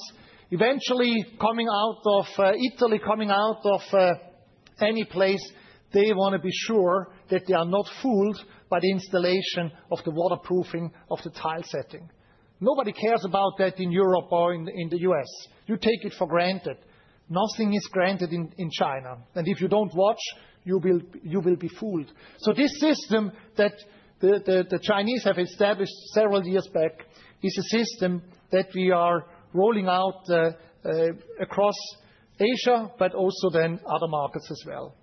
Eventually coming out of Italy, coming out of any place, they want to be sure that they are not fooled by the installation of the waterproofing of the tile setting. Nobody cares about that in Europe or in the U.S. You take it for granted. Nothing is granted in China. If you do not watch, you will be fooled. This system that the Chinese have established several years back is a system that we are rolling out across Asia, but also then other markets as well.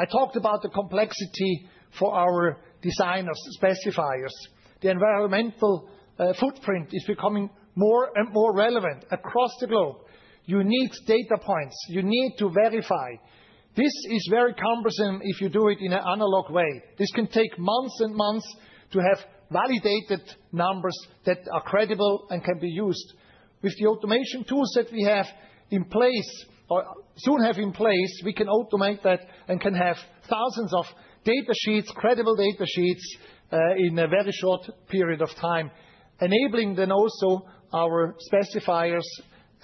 I talked about the complexity for our designers, specifiers. The environmental footprint is becoming more and more relevant across the globe. You need data points. You need to verify. This is very cumbersome if you do it in an analog way. This can take months and months to have validated numbers that are credible and can be used. With the automation tools that we have in place or soon have in place, we can automate that and can have thousands of data sheets, credible data sheets in a very short period of time, enabling then also our specifiers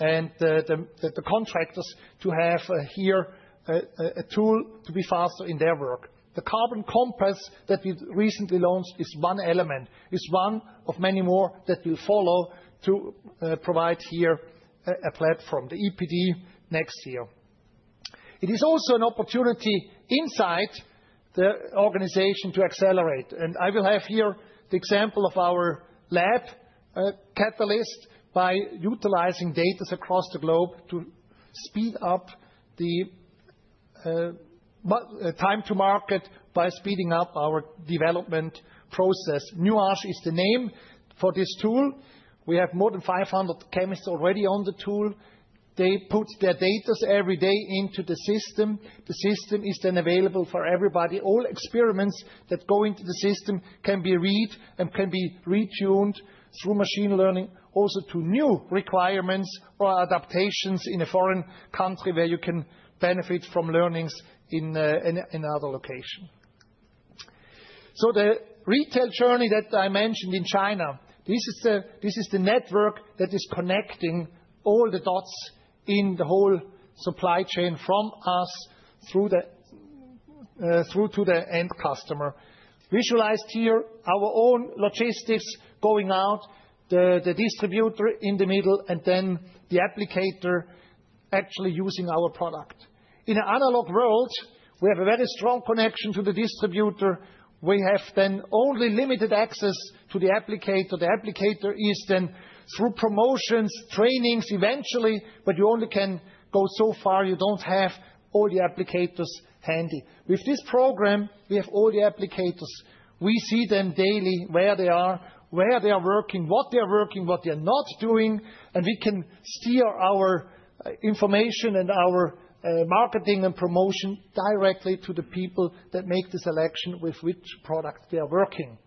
and the contractors to have here a tool to be faster in their work. The Carbon Compass that we recently launched is one element, is one of many more that will follow to provide here a platform, the EPD next year. It is also an opportunity inside the organization to accelerate. I will have here the example of our lab catalyst by utilizing data across the globe to speed up the time to market by speeding up our development process. Nuage is the name for this tool. We have more than 500 chemists already on the tool. They put their data every day into the system. The system is then available for everybody. All experiments that go into the system can be read and can be retuned through machine learning also to new requirements or adaptations in a foreign country where you can benefit from learnings in another location. The retail journey that I mentioned in China, this is the network that is connecting all the dots in the whole supply chain from us through to the end customer. Visualized here, our own logistics going out, the distributor in the middle, and then the applicator actually using our product. In an analog world, we have a very strong connection to the distributor. We have then only limited access to the applicator. The applicator is then through promotions, trainings eventually, but you only can go so far. You do not have all the applicators handy. With this program, we have all the applicators. We see them daily where they are, where they are working, what they are working, what they are not doing, and we can steer our information and our marketing and promotion directly to the people that make the selection with which product they are working.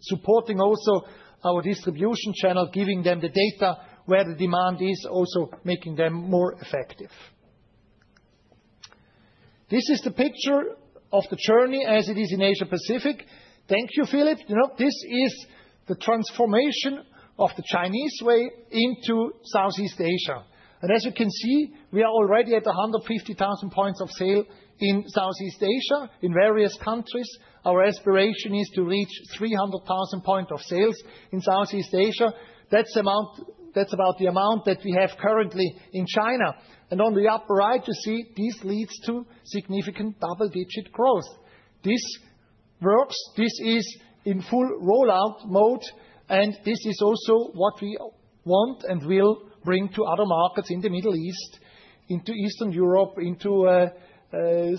Supporting also our distribution channel, giving them the data where the demand is, also making them more effective. This is the picture of the journey as it is in Asia-Pacific. Thank you, Philippe. This is the transformation of the Chinese way into Southeast Asia. As you can see, we are already at 150,000 points of sale in Southeast Asia in various countries. Our aspiration is to reach 300,000 point of sales in Southeast Asia. That is about the amount that we have currently in China. On the upper right, you see this leads to significant double-digit growth. This works. This is in full rollout mode, and this is also what we want and will bring to other markets in the Middle East, into Eastern Europe, into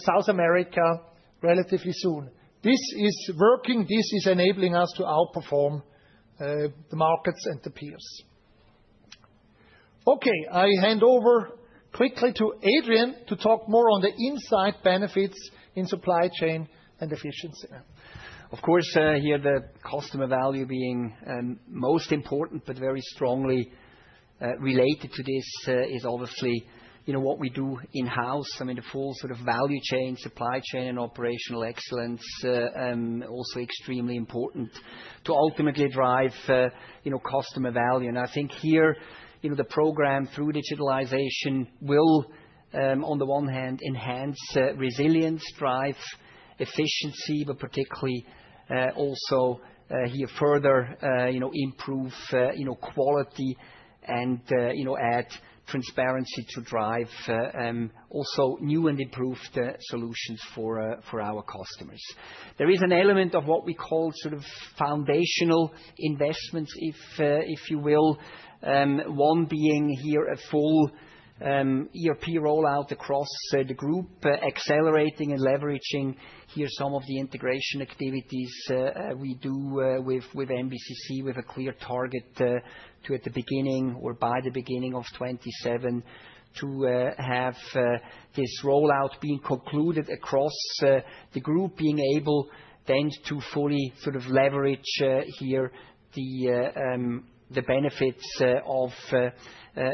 South America relatively soon. This is working. This is enabling us to outperform the markets and the peers. Okay, I hand over quickly to Adrian to talk more on the inside benefits in supply chain and efficiency. Of course, here the customer value being most important, but very strongly related to this is obviously what we do in-house. I mean, the full sort of value chain, supply chain, and operational excellence also extremely important to ultimately drive customer value. I think here the program through digitalization will, on the one hand, enhance resilience, drive efficiency, but particularly also here further improve quality and add transparency to drive also new and improved solutions for our customers. There is an element of what we call sort of foundational investments, if you will. One being here a full ERP rollout across the group, accelerating and leveraging here some of the integration activities we do with MBCC with a clear target to at the beginning or by the beginning of 2027 to have this rollout being concluded across the group, being able then to fully sort of leverage here the benefits of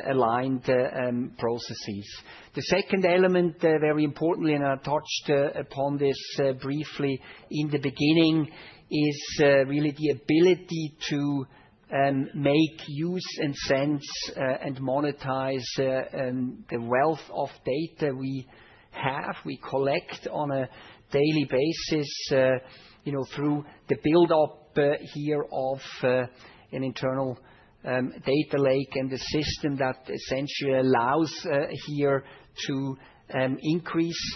aligned processes. The second element, very importantly, and I touched upon this briefly in the beginning, is really the ability to make use and sense and monetize the wealth of data we have, we collect on a daily basis through the build-up here of an internal Digital Lake and the system that essentially allows here to increase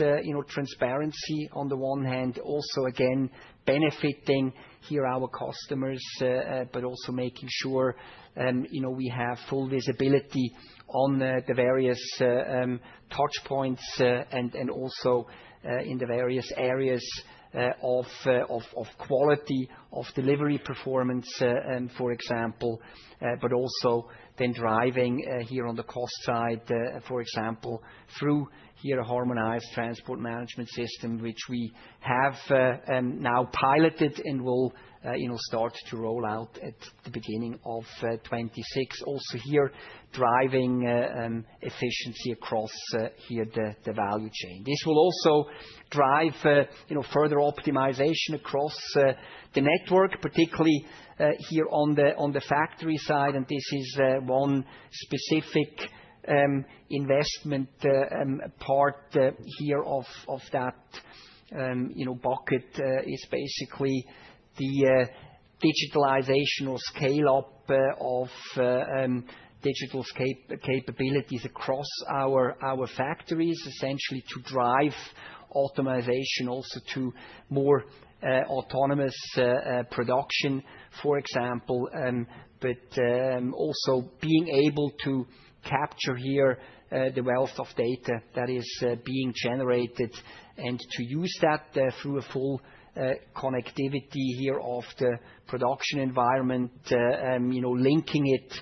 transparency on the one hand, also again benefiting here our customers, but also making sure we have full visibility on the various touch points and also in the various areas of quality, of delivery performance, for example, but also then driving here on the cost side, for example, through here a harmonized transport management system, which we have now piloted and will start to roll out at the beginning of 2026. Also here driving efficiency across here the value chain. This will also drive further optimization across the network, particularly here on the factory side. This is one specific investment part here of that bucket. It is basically the digitalization or scale-up of digital capabilities across our factories, essentially to drive optimization, also to more autonomous production, for example, but also being able to capture here the wealth of data that is being generated and to use that through a full connectivity here of the production environment, linking it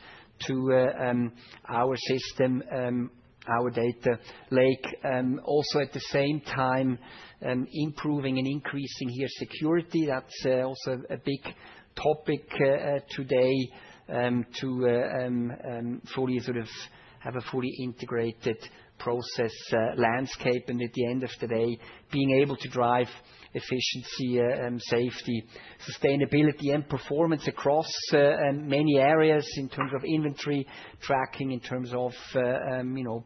to our system, our data lake, also at the same time improving and increasing here security. That is also a big topic today to fully sort of have a fully integrated process landscape. At the end of the day, being able to drive efficiency, safety, sustainability, and performance across many areas in terms of inventory tracking, in terms of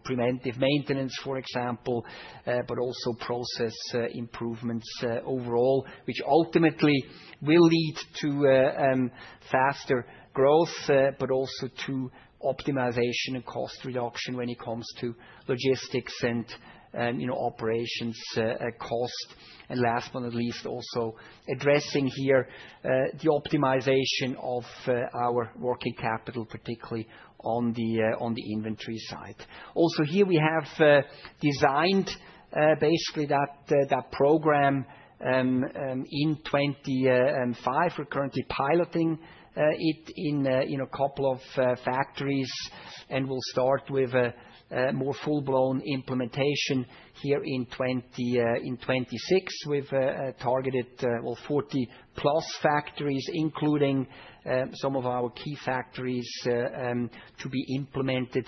preventive maintenance, for example, but also process improvements overall, which ultimately will lead to faster growth, but also to optimization and cost reduction when it comes to logistics and operations cost. Last but not least, also addressing here the optimization of our working capital, particularly on the inventory side. Also here we have designed basically that program in 2025. We're currently piloting it in a couple of factories and we'll start with a more full-blown implementation here in 2026 with targeted 40 plus factories, including some of our key factories to be implemented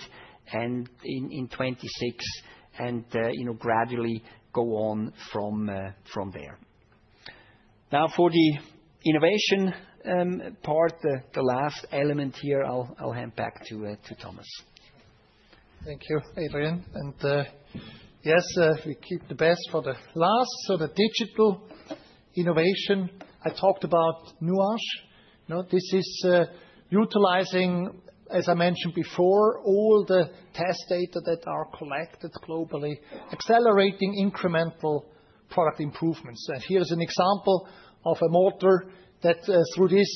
in 2026 and gradually go on from there. Now for the innovation part, the last element here, I'll hand back to Thomas. Thank you, Adrian. Yes, we keep the best for the last. The digital innovation, I talked about Nuage. This is utilizing, as I mentioned before, all the test data that are collected globally, accelerating incremental product improvements. Here is an example of a mortar that through this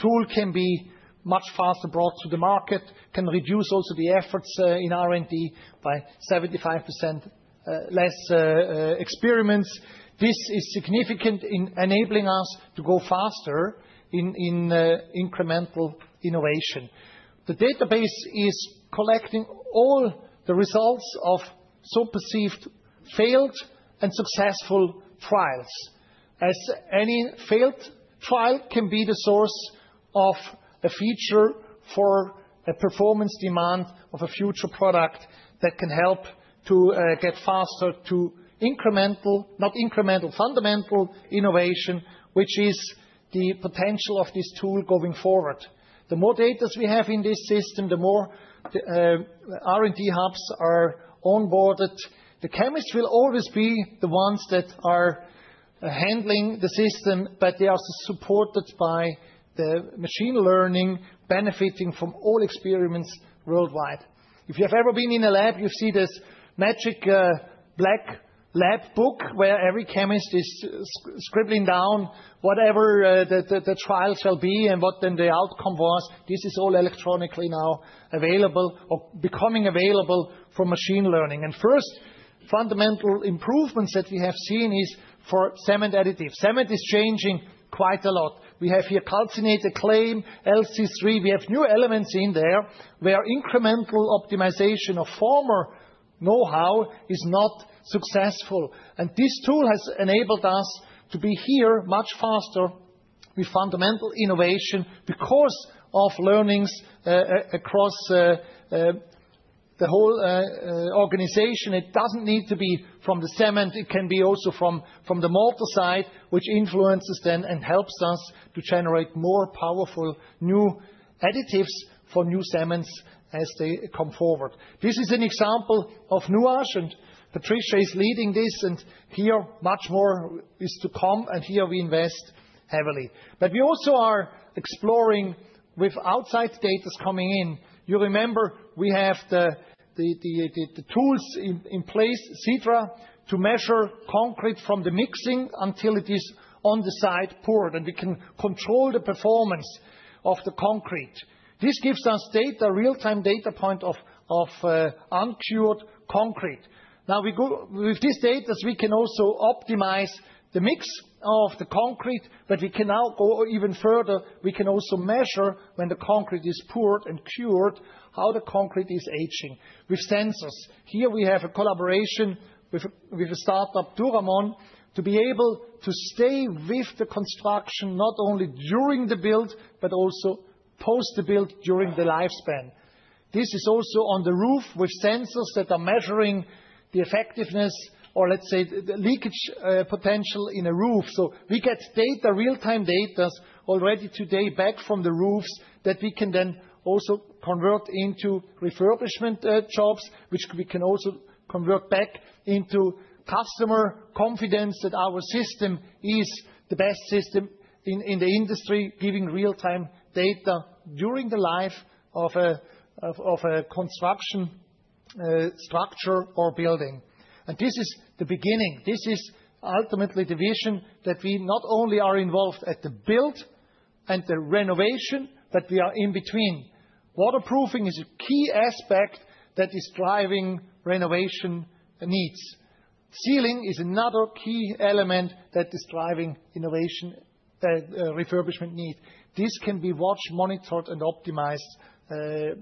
tool can be much faster brought to the market, can reduce also the efforts in R&D by 75% less experiments. This is significant in enabling us to go faster in incremental innovation. The database is collecting all the results of so perceived failed and successful trials, as any failed trial can be the source of a feature for a performance demand of a future product that can help to get faster to incremental, not incremental, fundamental innovation, which is the potential of this tool going forward. The more data we have in this system, the more R&D hubs are onboarded. The chemists will always be the ones that are handling the system, but they are supported by the machine learning, benefiting from all experiments worldwide. If you have ever been in a lab, you see this magic black lab book where every chemist is scribbling down whatever the trial shall be and what then the outcome was. This is all electronically now available or becoming available for machine learning. First, fundamental improvements that we have seen is for cement additives. Cement is changing quite a lot. We have here calcinated clay, LC3. We have new elements in there where incremental optimization of former know-how is not successful. This tool has enabled us to be here much faster with fundamental innovation because of learnings across the whole organization. It does not need to be from the cement. It can be also from the motor side, which influences then and helps us to generate more powerful new additives for new cements as they come forward. This is an example of Nuage, and Patricia is leading this, and here much more is to come, and here we invest heavily. We also are exploring with outside data coming in. You remember we have the tools in place, SITRA, to measure concrete from the mixing until it is on the site poured, and we can control the performance of the concrete. This gives us data, real-time data point of uncured concrete. Now with this data, we can also optimize the mix of the concrete, but we can now go even further. We can also measure when the concrete is poured and cured, how the concrete is aging with sensors. Here we have a collaboration with a startup, Duramon, to be able to stay with the construction not only during the build, but also post the build during the lifespan. This is also on the roof with sensors that are measuring the effectiveness or let's say the leakage potential in a roof. We get data, real-time data already today back from the roofs that we can then also convert into refurbishment jobs, which we can also convert back into customer confidence that our system is the best system in the industry, giving real-time data during the life of a construction structure or building. This is the beginning. This is ultimately the vision that we not only are involved at the build and the renovation, but we are in between. Waterproofing is a key aspect that is driving renovation needs. Sealing is another key element that is driving innovation refurbishment needs. This can be watched, monitored, and optimized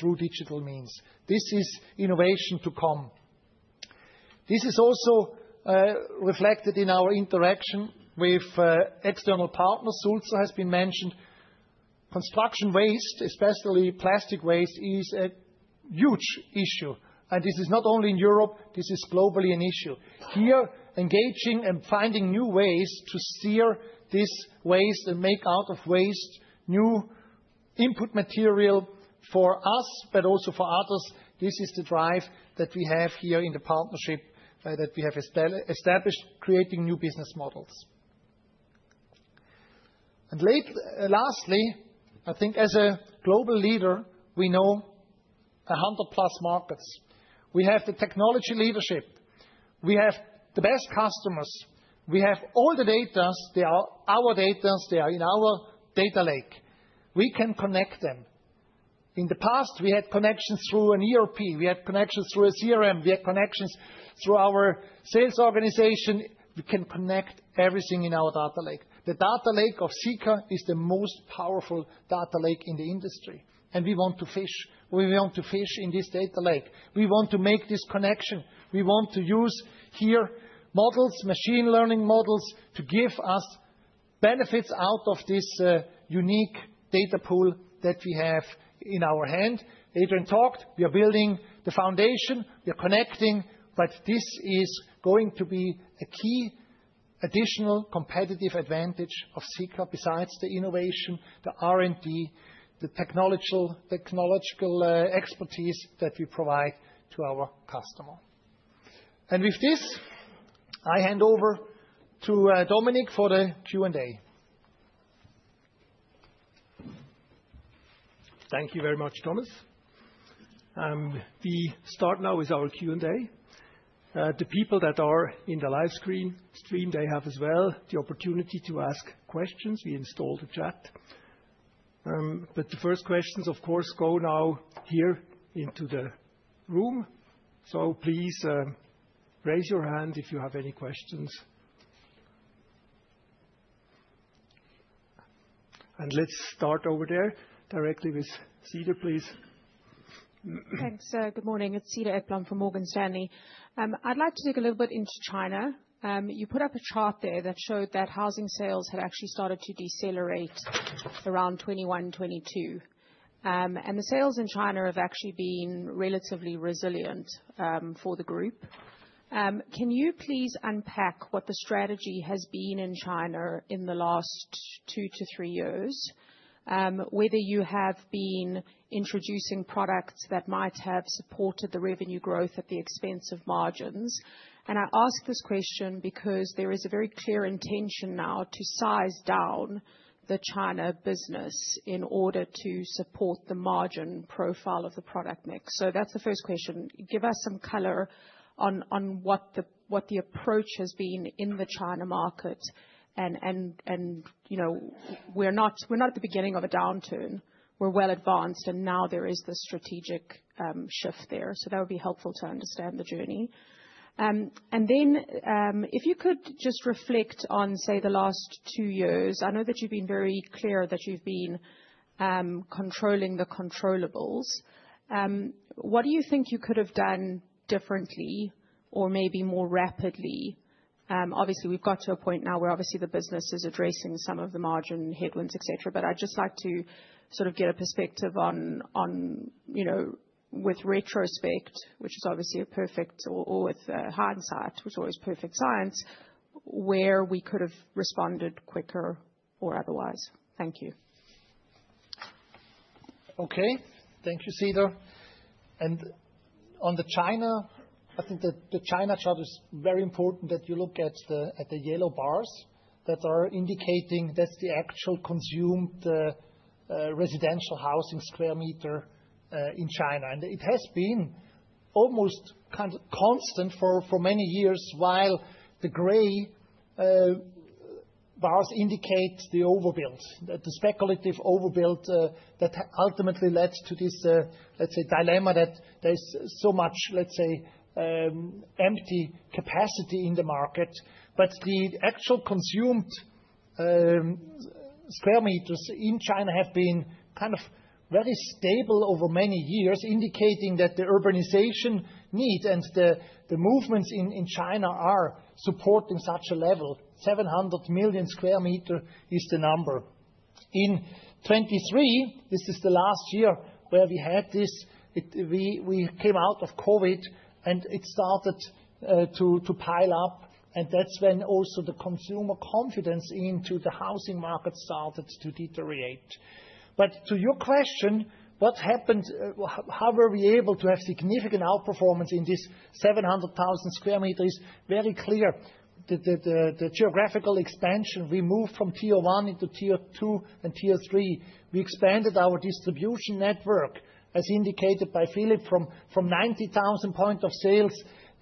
through digital means. This is innovation to come. This is also reflected in our interaction with external partners. Sulzer has been mentioned. Construction waste, especially plastic waste, is a huge issue. This is not only in Europe. This is globally an issue. Here, engaging and finding new ways to steer this waste and make out of waste new input material for us, but also for others. This is the drive that we have here in the partnership that we have established, creating new business models. Lastly, I think as a global leader, we know 100 plus markets. We have the technology leadership. We have the best customers. We have all the data. They are our data. They are in our data lake. We can connect them. In the past, we had connections through an ERP. We had connections through a CRM. We had connections through our sales organization. We can connect everything in our data lake. The data lake of Sika is the most powerful data lake in the industry. We want to fish. We want to fish in this data lake. We want to make this connection. We want to use here models, machine learning models to give us benefits out of this unique data pool that we have in our hand. Adrian talked. We are building the foundation. We are connecting, but this is going to be a key additional competitive advantage of Sika besides the innovation, the R&D, the technological expertise that we provide to our customer. With this, I hand over to Dominik for the Q&A. Thank you very much, Thomas. We start now with our Q&A. The people that are in the live stream, they have as well the opportunity to ask questions. We installed the chat. The first questions, of course, go now here into the room. Please raise your hand if you have any questions. Let's start over there directly with Cedar, please. Thanks. Good morning. It's Cedar Ekblom from Morgan Stanley. I'd like to dig a little bit into China. You put up a chart there that showed that housing sales had actually started to decelerate around 2021, 2022. And the sales in China have actually been relatively resilient for the group. Can you please unpack what the strategy has been in China in the last two to three years, whether you have been introducing products that might have supported the revenue growth at the expense of margins? I ask this question because there is a very clear intention now to size down the China business in order to support the margin profile of the product mix. That's the first question. Give us some color on what the approach has been in the China market. We're not at the beginning of a downturn. We're well advanced, and now there is the strategic shift there. That would be helpful to understand the journey. If you could just reflect on, say, the last two years, I know that you've been very clear that you've been controlling the controllable. What do you think you could have done differently or maybe more rapidly? Obviously, we've got to a point now where obviously the business is addressing some of the margin headwinds, et cetera, but I'd just like to get a perspective on, with retrospect, which is obviously a perfect, or with hindsight, which is always perfect science, where we could have responded quicker or otherwise. Thank you. Okay. Thank you, Cedar. On the China, I think the China chart is very important that you look at the yellow bars that are indicating that's the actual consumed residential housing square meter in China. It has been almost kind of constant for many years while the gray bars indicate the overbuilt, the speculative overbuilt that ultimately led to this, let's say, dilemma that there is so much, let's say, empty capacity in the market. The actual consumed square meters in China have been kind of very stable over many years, indicating that the urbanization need and the movements in China are supporting such a level. 700 million square meter is the number. In 2023, this is the last year where we had this. We came out of COVID, and it started to pile up. That is when also the consumer confidence into the housing market started to deteriorate. To your question, what happened, how were we able to have significant outperformance in this 700,000 sq m is very clear. The geographical expansion, we moved from tier one into tier two and tier three. We expanded our distribution network, as indicated by Philippe, from 90,000 point of sales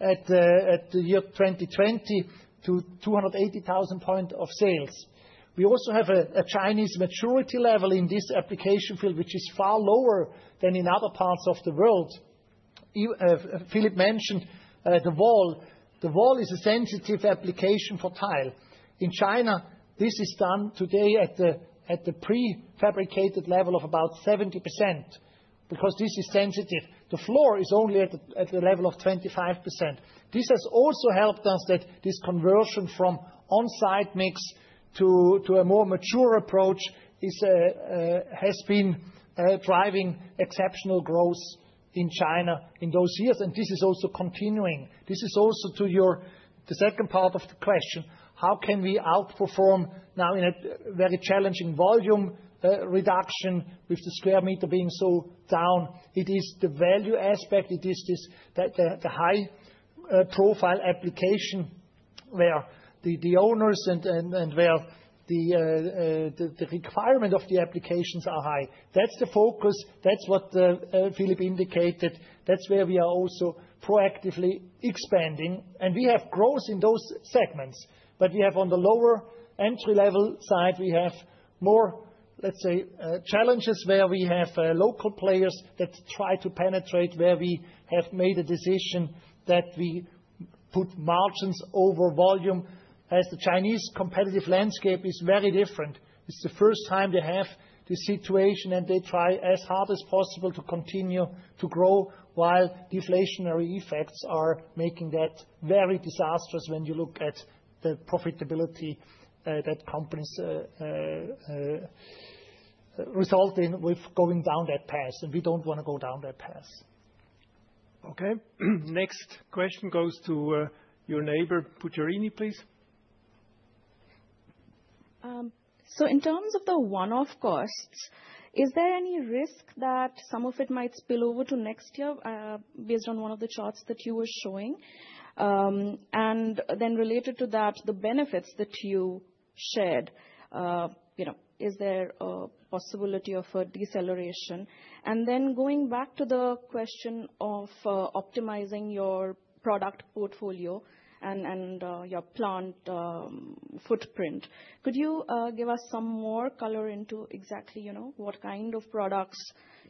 at the year 2020 to 280,000 point of sales. We also have a Chinese maturity level in this application field, which is far lower than in other parts of the world. Philippe mentioned the wall. The wall is a sensitive application for tile. In China, this is done today at the prefabricated level of about 70% because this is sensitive. The floor is only at the level of 25%. This has also helped us that this conversion from on-site mix to a more mature approach has been driving exceptional growth in China in those years. This is also continuing. This is also to your the second part of the question, how can we outperform now in a very challenging volume reduction with the square meter being so down? It is the value aspect. It is the high-profile application where the owners and where the requirement of the applications are high. That is the focus. That is what Philippe indicated. That is where we are also proactively expanding. We have growth in those segments. We have on the lower entry-level side, we have more, let's say, challenges where we have local players that try to penetrate where we have made a decision that we put margins over volume as the Chinese competitive landscape is very different. It's the first time they have the situation, and they try as hard as possible to continue to grow while deflationary effects are making that very disastrous when you look at the profitability that companies result in with going down that path. We don't want to go down that path. Next question goes to your neighbor, Pujarini, please. In terms of the one-off costs, is there any risk that some of it might spill over to next year based on one of the charts that you were showing? Related to that, the benefits that you shared, is there a possibility of a deceleration? Going back to the question of optimizing your product portfolio and your plant footprint, could you give us some more color into exactly what kind of products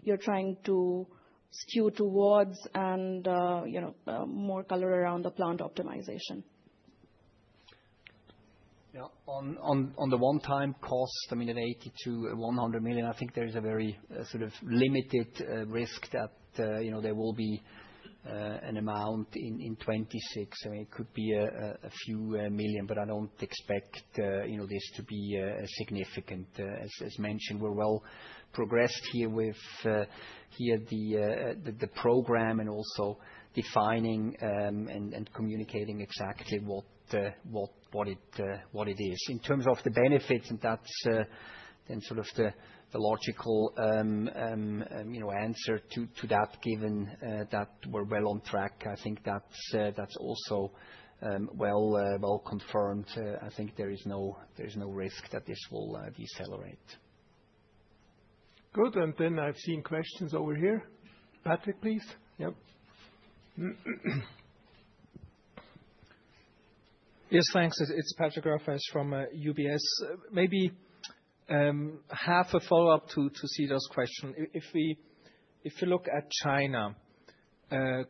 you're trying to skew towards and more color around the plant optimization? Yeah. On the one-time cost, I mean, at 80 million-100 million, I think there is a very sort of limited risk that there will be an amount in 2026. I mean, it could be a few million, but I do not expect this to be significant. As mentioned, we are well progressed here with the program and also defining and communicating exactly what it is in terms of the benefits. That is then sort of the logical answer to that given that we are well on track. I think that is also well confirmed. I think there is no risk that this will decelerate. Good. I have seen questions over here. Patrick, please. Yeah. Yes, thanks. It's Patrick Raffers from UBS. Maybe half a follow-up to Cedar's question. If you look at China,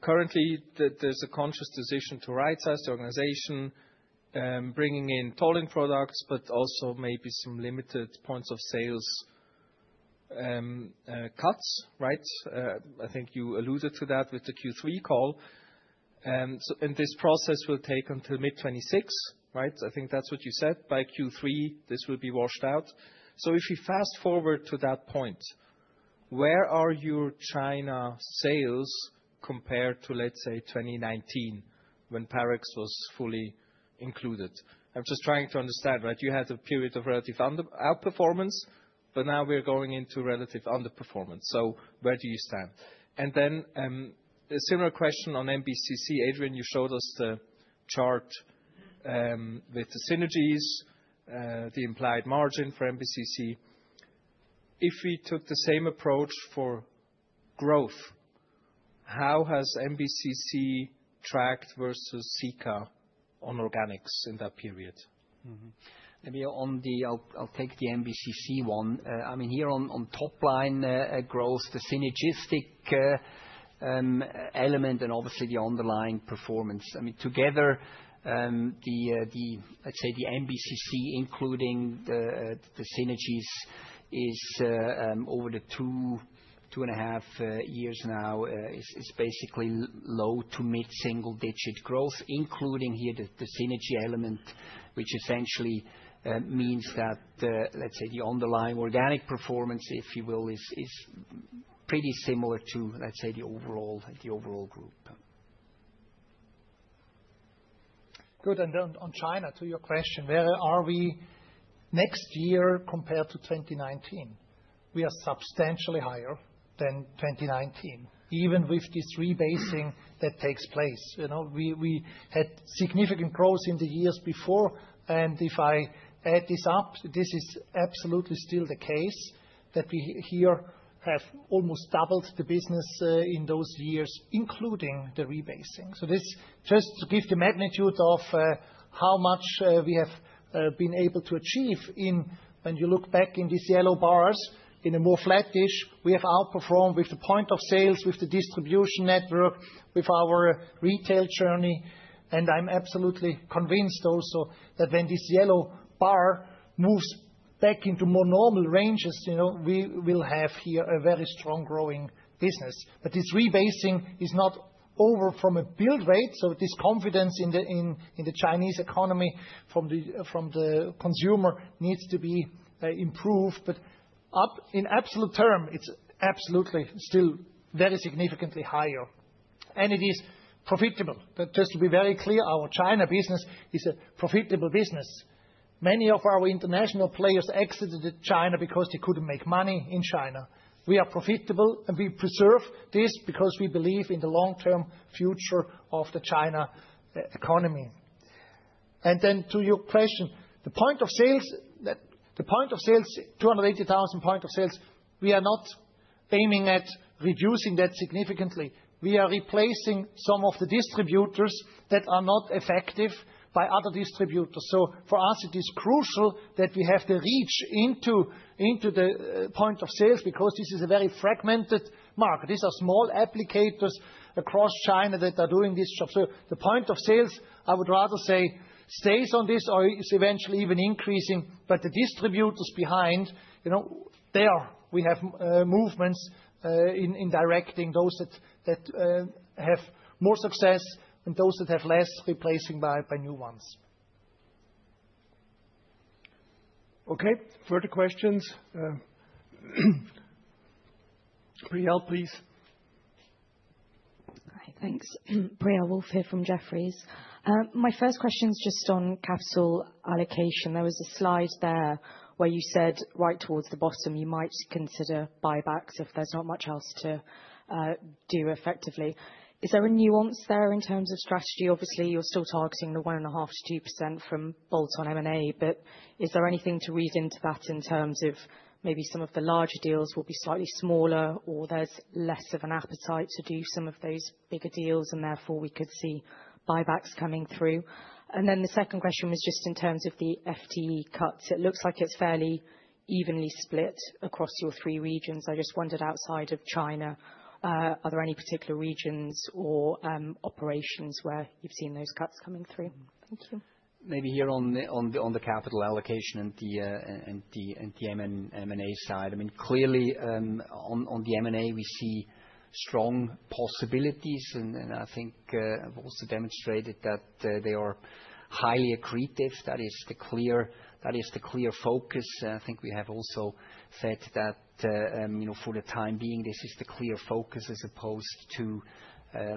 currently there's a conscious decision to rightsize the organization, bringing in tolling products, but also maybe some limited points of sales cuts, right? I think you alluded to that with the Q3 call. This process will take until mid-2026, right? I think that's what you said. By Q3, this will be washed out. If you fast forward to that point, where are your China sales compared to, let's say, 2019 when Parex was fully included? I'm just trying to understand, right? You had a period of relative outperformance, but now we're going into relative underperformance. Where do you stand? A similar question on MBCC. Adrian, you showed us the chart with the synergies, the implied margin for MBCC. If we took the same approach for growth, how has MBCC tracked versus Sika on organics in that period? Maybe I'll take the MBCC one. I mean, here on top-line growth, the synergistic element and obviously the underlying performance. I mean, together, I'd say the MBCC, including the synergies, is over the two and a half years now, is basically low to mid-single-digit growth, including here the synergy element, which essentially means that, let's say, the underlying organic performance, if you will, is pretty similar to, let's say, the overall group. Good. On China, to your question, where are we next year compared to 2019? We are substantially higher than 2019, even with this rebasing that takes place. We had significant growth in the years before. If I add this up, this is absolutely still the case that we here have almost doubled the business in those years, including the rebasing. This is just to give the magnitude of how much we have been able to achieve when you look back in these yellow bars in a more flat dish, we have outperformed with the point of sales, with the distribution network, with our retail journey. I am absolutely convinced also that when this yellow bar moves back into more normal ranges, we will have here a very strong growing business. This rebasing is not over from a build rate. This confidence in the Chinese economy from the consumer needs to be improved. In absolute terms, it is absolutely still very significantly higher. It is profitable. Just to be very clear, our China business is a profitable business. Many of our international players exited China because they could not make money in China. We are profitable, and we preserve this because we believe in the long-term future of the China economy. To your question, the point of sales, the point of sales, 280,000 point of sales, we are not aiming at reducing that significantly. We are replacing some of the distributors that are not effective by other distributors. For us, it is crucial that we have the reach into the point of sales because this is a very fragmented market. These are small applicators across China that are doing this job. The point of sales, I would rather say, stays on this or is eventually even increasing. The distributors behind, there, we have movements in directing those that have more success and those that have less replacing by new ones. Okay. Further questions? Priyal, please. All right. Thanks. Priyal Wolf here from Jefferies. My first question is just on capital allocation. There was a slide there where you said right towards the bottom, you might consider buybacks if there's not much else to do effectively. Is there a nuance there in terms of strategy? Obviously, you're still targeting the 1.5%-2% from bolt-on M&A, but is there anything to read into that in terms of maybe some of the larger deals will be slightly smaller or there's less of an appetite to do some of those bigger deals and therefore we could see buybacks coming through? The second question was just in terms of the FTE cuts. It looks like it's fairly evenly split across your three regions. I just wondered outside of China, are there any particular regions or operations where you've seen those cuts coming through? Thank you. Maybe here on the capital allocation and the M&A side. I mean, clearly on the M&A, we see strong possibilities. I think Wolf also demonstrated that they are highly accretive. That is the clear focus. I think we have also said that for the time being, this is the clear focus as opposed to,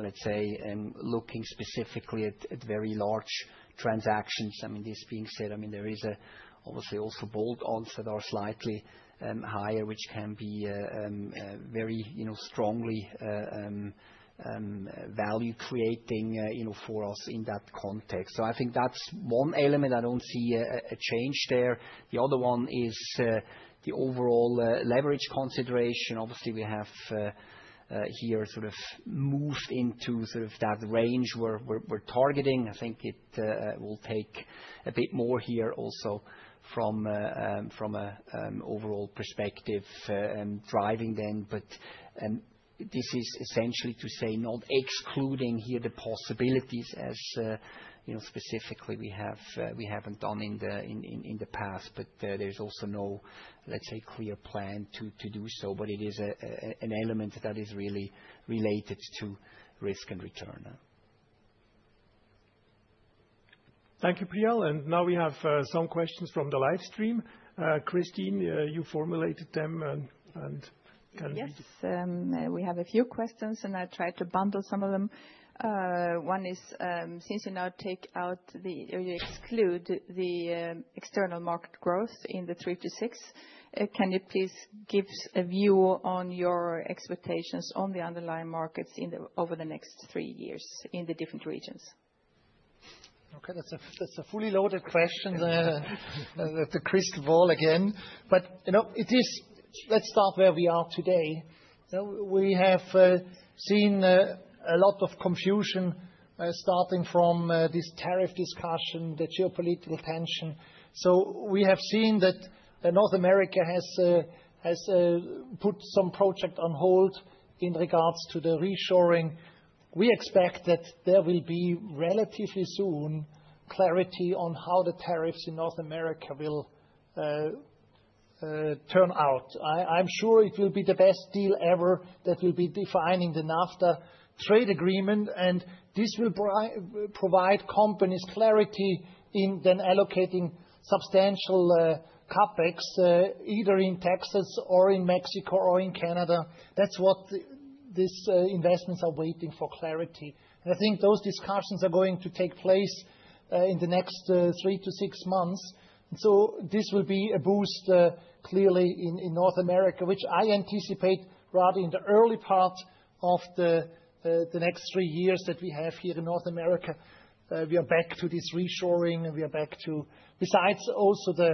let's say, looking specifically at very large transactions. I mean, this being said, there is obviously also bolt-ons that are slightly higher, which can be very strongly value-creating for us in that context. I think that's one element. I do not see a change there. The other one is the overall leverage consideration. Obviously, we have here sort of moved into that range we are targeting. I think it will take a bit more here also from an overall perspective driving then. This is essentially to say not excluding here the possibilities as specifically we haven't done in the past, but there's also no, let's say, clear plan to do so. It is an element that is really related to risk and return. Thank you, Priyal. Now we have some questions from the livestream. Christine, you formulated them and can you? Yes. We have a few questions, and I'll try to bundle some of them. One is, since you now take out or you exclude the external market growth in the three to six, can you please give a view on your expectations on the underlying markets over the next three years in the different regions? Okay. That's a fully loaded question. That's a crystal ball again. But let's start where we are today. We have seen a lot of confusion starting from this tariff discussion, the geopolitical tension. We have seen that North America has put some project on hold in regards to the reshoring. We expect that there will be relatively soon clarity on how the tariffs in North America will turn out. I'm sure it will be the best deal ever that will be defined in the NAFTA trade agreement. This will provide companies clarity in then allocating substantial CapEx either in Texas or in Mexico or in Canada. That's what these investments are waiting for clarity. I think those discussions are going to take place in the next three to six months. This will be a boost clearly in North America, which I anticipate rather in the early part of the next three years that we have here in North America. We are back to this reshoring. We are back to, besides also the,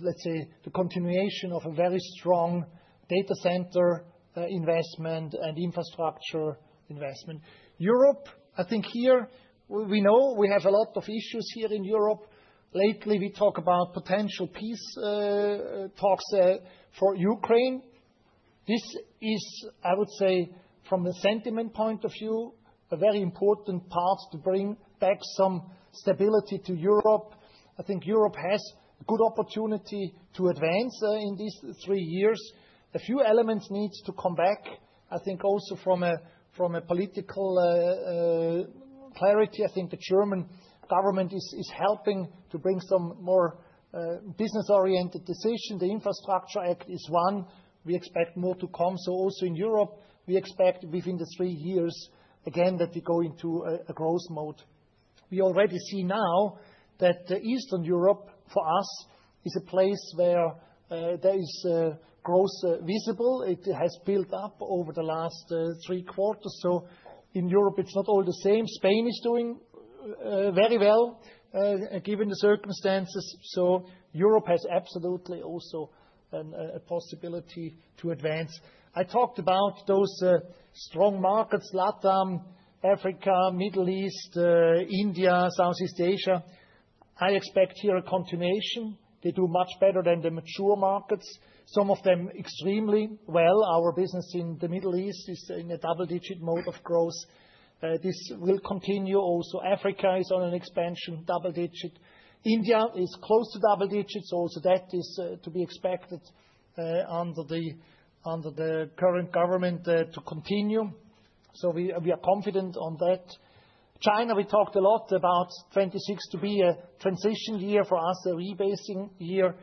let's say, the continuation of a very strong data center investment and infrastructure investment. Europe, I think here we know we have a lot of issues here in Europe. Lately, we talk about potential peace talks for Ukraine. This is, I would say, from the sentiment point of view, a very important part to bring back some stability to Europe. I think Europe has a good opportunity to advance in these three years. A few elements need to come back. I think also from a political clarity, I think the German government is helping to bring some more business-oriented decisions. The Infrastructure Act is one. We expect more to come. Also in Europe, we expect within the three years, again, that we go into a growth mode. We already see now that Eastern Europe for us is a place where there is growth visible. It has built up over the last three quarters. In Europe, it is not all the same. Spain is doing very well given the circumstances. Europe has absolutely also a possibility to advance. I talked about those strong markets: LatAm, Africa, Middle East, India, Southeast Asia. I expect here a continuation. They do much better than the mature markets. Some of them extremely well. Our business in the Middle East is in a double-digit mode of growth. This will continue. Also, Africa is on an expansion, double-digit. India is close to double-digits. Also, that is to be expected under the current government to continue. We are confident on that. China, we talked a lot about 2026 to be a transition year for us, a rebasing year.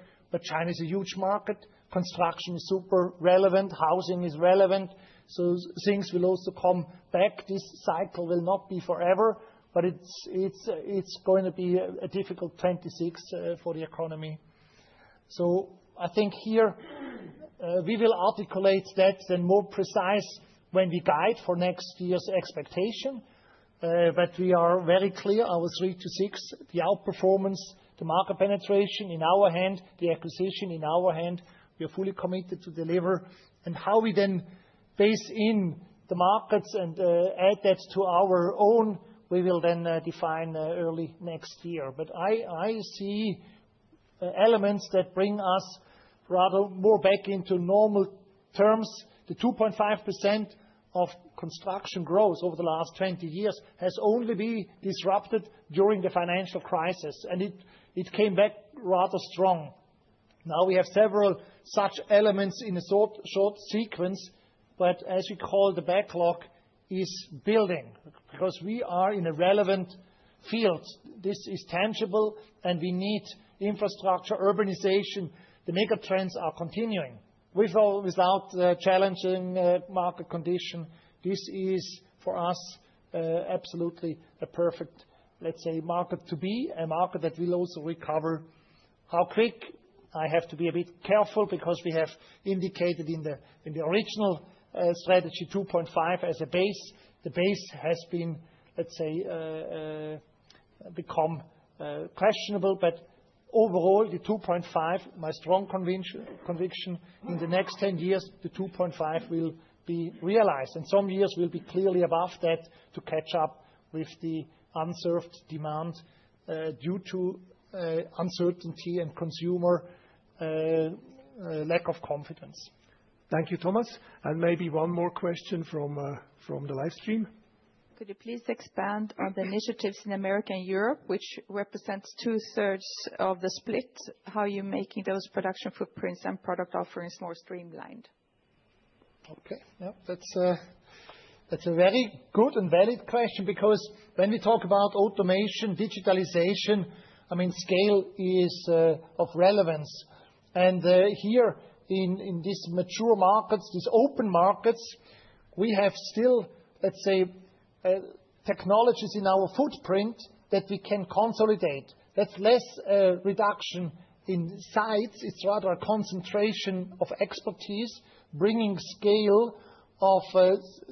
China is a huge market. Construction is super relevant. Housing is relevant. Things will also come back. This cycle will not be forever, but it is going to be a difficult 2026 for the economy. I think here we will articulate that and be more precise when we guide for next year's expectation. We are very clear, our three to six, the outperformance, the market penetration in our hand, the acquisition in our hand. We are fully committed to deliver. How we then base in the markets and add that to our own, we will then define early next year. I see elements that bring us rather more back into normal terms. The 2.5% of construction growth over the last 20 years has only been disrupted during the financial crisis. It came back rather strong. Now we have several such elements in a short sequence, but as we call the backlog is building because we are in a relevant field. This is tangible, and we need infrastructure, urbanization. The megatrends are continuing. Without challenging market condition, this is for us absolutely a perfect, let's say, market to be a market that will also recover. How quick? I have to be a bit careful because we have indicated in the original strategy 2.5 as a base. The base has been, let's say, become questionable. Overall, the 2.5, my strong conviction, in the next 10 years, the 2.5 will be realized. Some years will be clearly above that to catch up with the unserved demand due to uncertainty and consumer lack of confidence. Thank you, Thomas. Maybe one more question from the livestream. Could you please expand on the initiatives in America and Europe, which represent two-thirds of the split? How are you making those production footprints and product offerings more streamlined? Okay. That's a very good and valid question because when we talk about automation, digitalization, I mean, scale is of relevance. Here in these mature markets, these open markets, we have still, let's say, technologies in our footprint that we can consolidate. That's less reduction in sites. It's rather a concentration of expertise, bringing scale of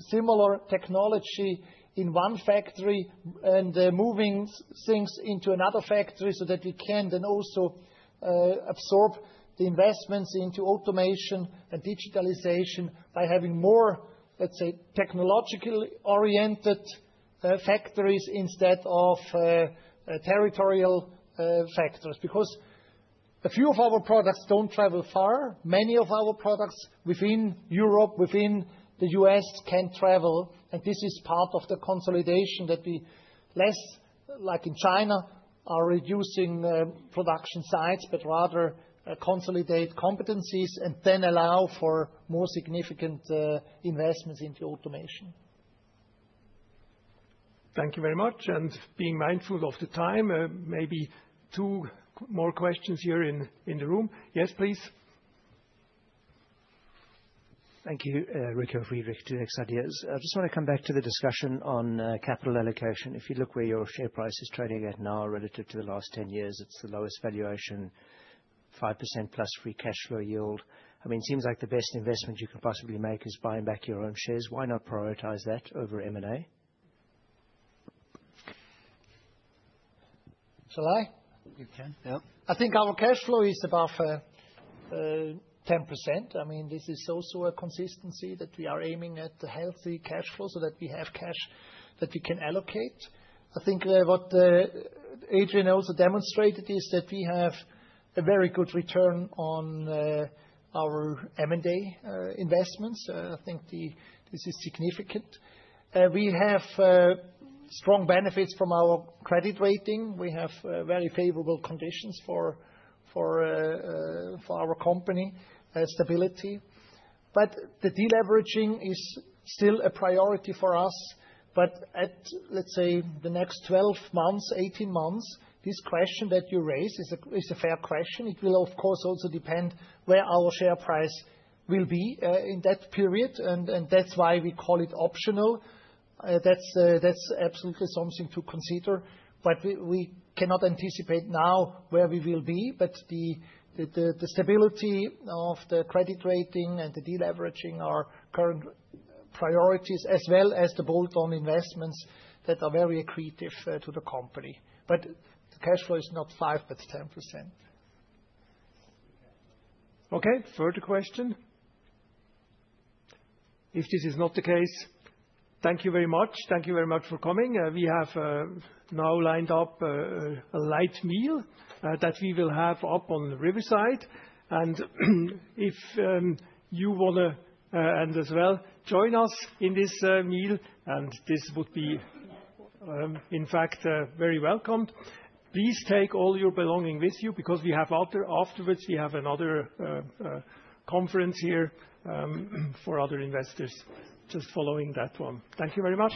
similar technology in one factory and moving things into another factory so that we can then also absorb the investments into automation and digitalization by having more, let's say, technologically oriented factories instead of territorial factories. Because a few of our products don't travel far. Many of our products within Europe, within the U.S., can travel. This is part of the consolidation that we less like in China are reducing production sites, but rather consolidate competencies and then allow for more significant investments into automation. Thank you very much. Being mindful of the time, maybe two more questions here in the room. Yes, please. Thank you, Rick and Friedrich, to the next ideas. I just want to come back to the discussion on capital allocation. If you look where your share price is trading at now relative to the last 10 years, it's the lowest valuation, 5% plus free cash flow yield. I mean, it seems like the best investment you can possibly make is buying back your own shares. Why not prioritize that over M&A? Shalai? Yeah. I think our cash flow is above 10%. I mean, this is also a consistency that we are aiming at a healthy cash flow so that we have cash that we can allocate. I think what Adrian also demonstrated is that we have a very good return on our M&A investments. I think this is significant. We have strong benefits from our credit rating. We have very favorable conditions for our company stability. The deleveraging is still a priority for us. At, let's say, the next 12 months, 18 months, this question that you raise is a fair question. It will, of course, also depend where our share price will be in that period. That is why we call it optional. That is absolutely something to consider. We cannot anticipate now where we will be. The stability of the credit rating and the deleveraging are current priorities, as well as the bolt-on investments that are very accretive to the company. The cash flow is not 5%, but 10%. Okay. Further question? If this is not the case, thank you very much. Thank you very much for coming. We have now lined up a light meal that we will have up on Riverside. If you want to, and as well, join us in this meal, this would be, in fact, very welcome. Please take all your belongings with you because afterwards, we have another conference here for other investors just following that one. Thank you very much.